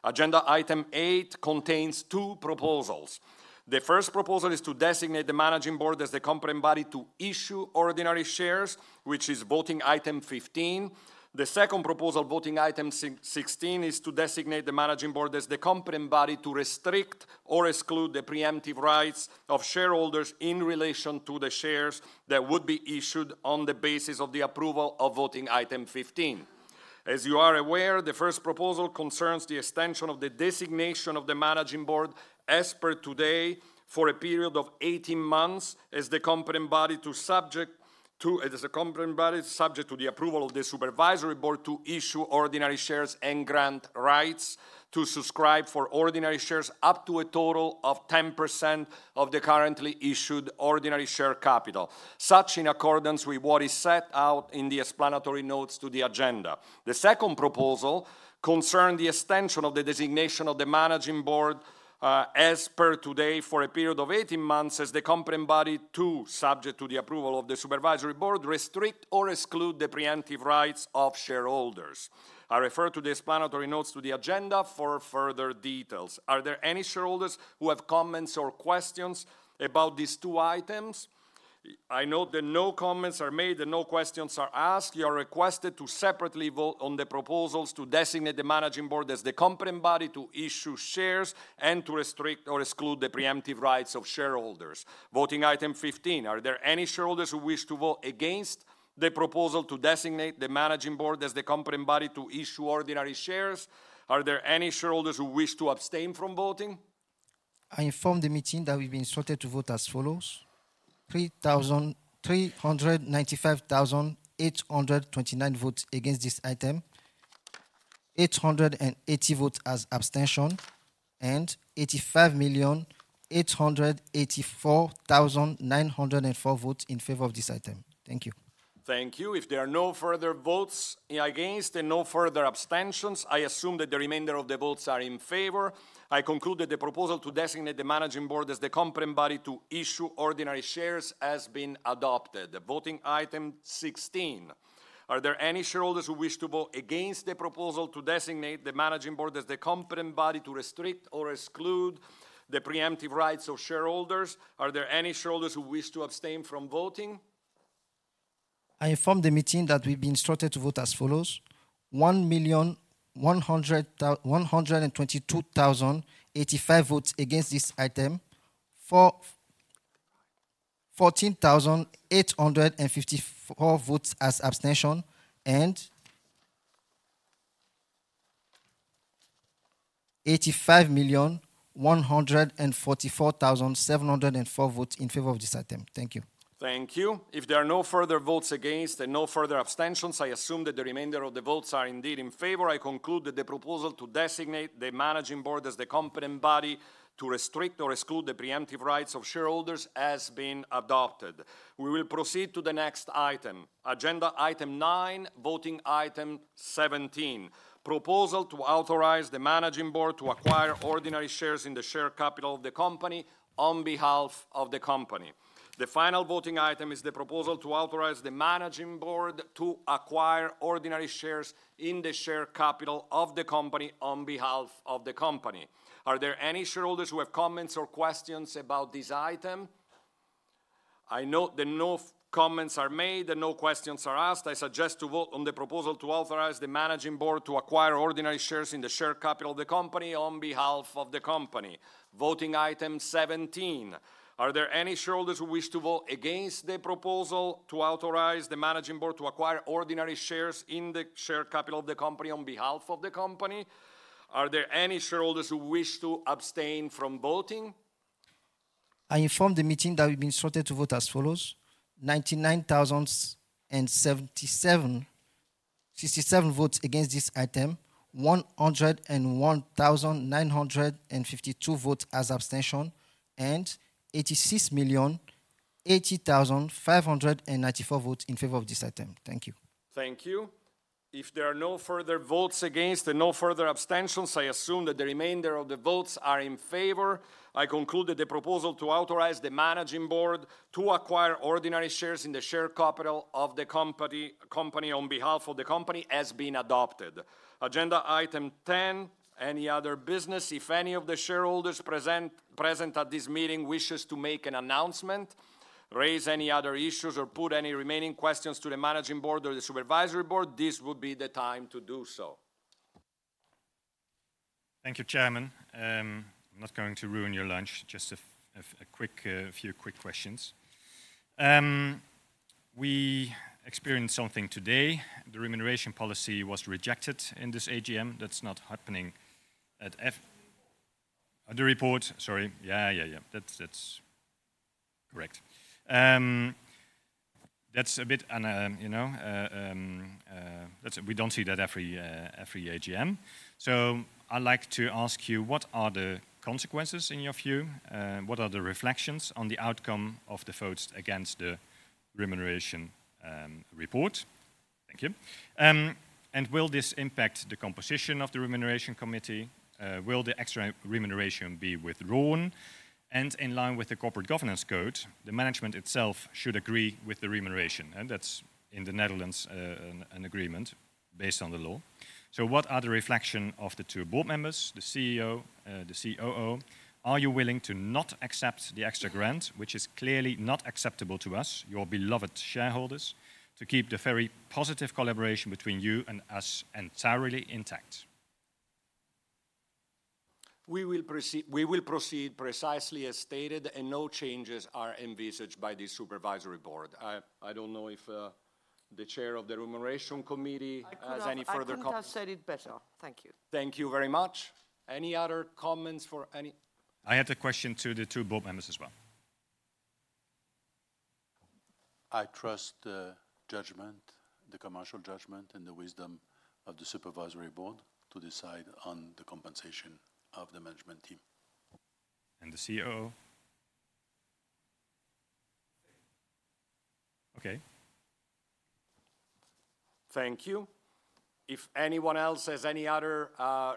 Agenda item 8 contains two proposals. The first proposal is to designate the Managing Board as the competent body to issue ordinary shares, which is voting item 15. The second proposal, voting item 16, is to designate the Managing Board as the competent body to restrict or exclude the preemptive rights of shareholders in relation to the shares that would be issued on the basis of the approval of voting item 15. As you are aware, the first proposal concerns the extension of the designation of the Managing Board as per today, for a period of 18 months, as the competent body, subject to the approval of the Supervisory Board, to issue ordinary shares and grant rights to subscribe for ordinary shares up to a total of 10% of the currently issued ordinary share capital, such in accordance with what is set out in the explanatory notes to the agenda. The second proposal concerns the extension of the designation of the Managing Board, as per today, for a period of 18 months as the competent body to, subject to the approval of the Supervisory Board, restrict or exclude the preemptive rights of shareholders. I refer to the explanatory notes to the agenda for further details. Are there any shareholders who have comments or questions about these two items? I note that no comments are made and no questions are asked. You are requested to separately vote on the proposals to designate the Managing Board as the competent body to issue shares and to restrict or exclude the preemptive rights of shareholders. Voting item 15: Are there any shareholders who wish to vote against the proposal to designate the Managing Board as the competent body to issue ordinary shares? Are there any shareholders who wish to abstain from voting?... I inform the meeting that we've been instructed to vote as follows: 3,395,829 votes against this item, 880 votes as abstention, and 85,884,904 votes in favor of this item. Thank you. Thank you. If there are no further votes against and no further abstentions, I assume that the remainder of the votes are in favor. I conclude that the proposal to designate the Managing Board as the competent body to issue ordinary shares has been adopted. Voting item 16: Are there any shareholders who wish to vote against the proposal to designate the Managing Board as the competent body to restrict or exclude the pre-emptive rights of shareholders? Are there any shareholders who wish to abstain from voting? I inform the meeting that we've been instructed to vote as follows: 1,122,085 votes against this item, 14,854 votes as abstention, and 85,144,704 votes in favor of this item. Thank you. Thank you. If there are no further votes against and no further abstentions, I assume that the remainder of the votes are indeed in favor. I conclude that the proposal to designate the Managing Board as the competent body to restrict or exclude the pre-emptive rights of shareholders has been adopted. We will proceed to the next item, agenda item nine, voting item 17: Proposal to authorize the Managing Board to acquire ordinary shares in the share capital of the company on behalf of the company. The final voting item is the proposal to authorize the Managing Board to acquire ordinary shares in the share capital of the company on behalf of the company. Are there any shareholders who have comments or questions about this item? I note that no comments are made, and no questions are asked. I suggest to vote on the proposal to authorize the Managing Board to acquire ordinary shares in the share capital of the company on behalf of the company, voting item 17. Are there any shareholders who wish to vote against the proposal to authorize the Managing Board to acquire ordinary shares in the share capital of the company on behalf of the company? Are there any shareholders who wish to abstain from voting? I inform the meeting that we've been instructed to vote as follows: 99,067 votes against this item, 101,952 votes as abstention, and 86,080,594 votes in favor of this item. Thank you. Thank you. If there are no further votes against and no further abstentions, I assume that the remainder of the votes are in favor. I conclude that the proposal to authorize the Managing Board to acquire ordinary shares in the share capital of the company on behalf of the company has been adopted. Agenda item ten: Any other business. If any of the shareholders present at this meeting wishes to make an announcement, raise any other issues, or put any remaining questions to the Managing Board or the Supervisory Board, this would be the time to do so. Thank you, Chairman. I'm not going to ruin your lunch, just a few quick questions. We experienced something today. The Remuneration Policy was rejected in this AGM. That's not happening at The report, sorry. Yeah, yeah, yeah. That's correct. That's a bit, you know, that's... We don't see that every AGM. So I'd like to ask you, what are the consequences in your view, what are the reflections on the outcome of the votes against the Remuneration Report? Thank you. And will this impact the composition of the Remuneration Committee? Will the extra remuneration be withdrawn? And in line with the corporate governance code, the management itself should agree with the remuneration, and that's in the Netherlands, an agreement based on the law. What are the reflection of the two board members, the CEO, the COO? Are you willing to not accept the extra grant, which is clearly not acceptable to us, your beloved shareholders, to keep the very positive collaboration between you and us entirely intact? We will proceed, we will proceed precisely as stated, and no changes are envisaged by the Supervisory Board. I, I don't know if, the Chair of the Remuneration Committee has any further comments. I couldn't have said it better. Thank you. Thank you very much. Any other comments for any- I have a question to the two board members as well. I trust the judgment, the commercial judgment, and the wisdom of the Supervisory Board to decide on the compensation of the management team. And the CEO? Okay. Thank you. If anyone else has any other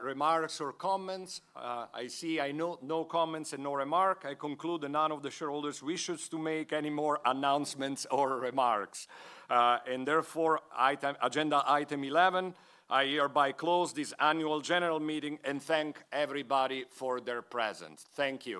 remarks or comments, I see, I note no comments and no remark. I conclude that none of the shareholders wishes to make any more announcements or remarks. And therefore, item, agenda item eleven, I hereby close this Annual General Meeting and thank everybody for their presence. Thank you.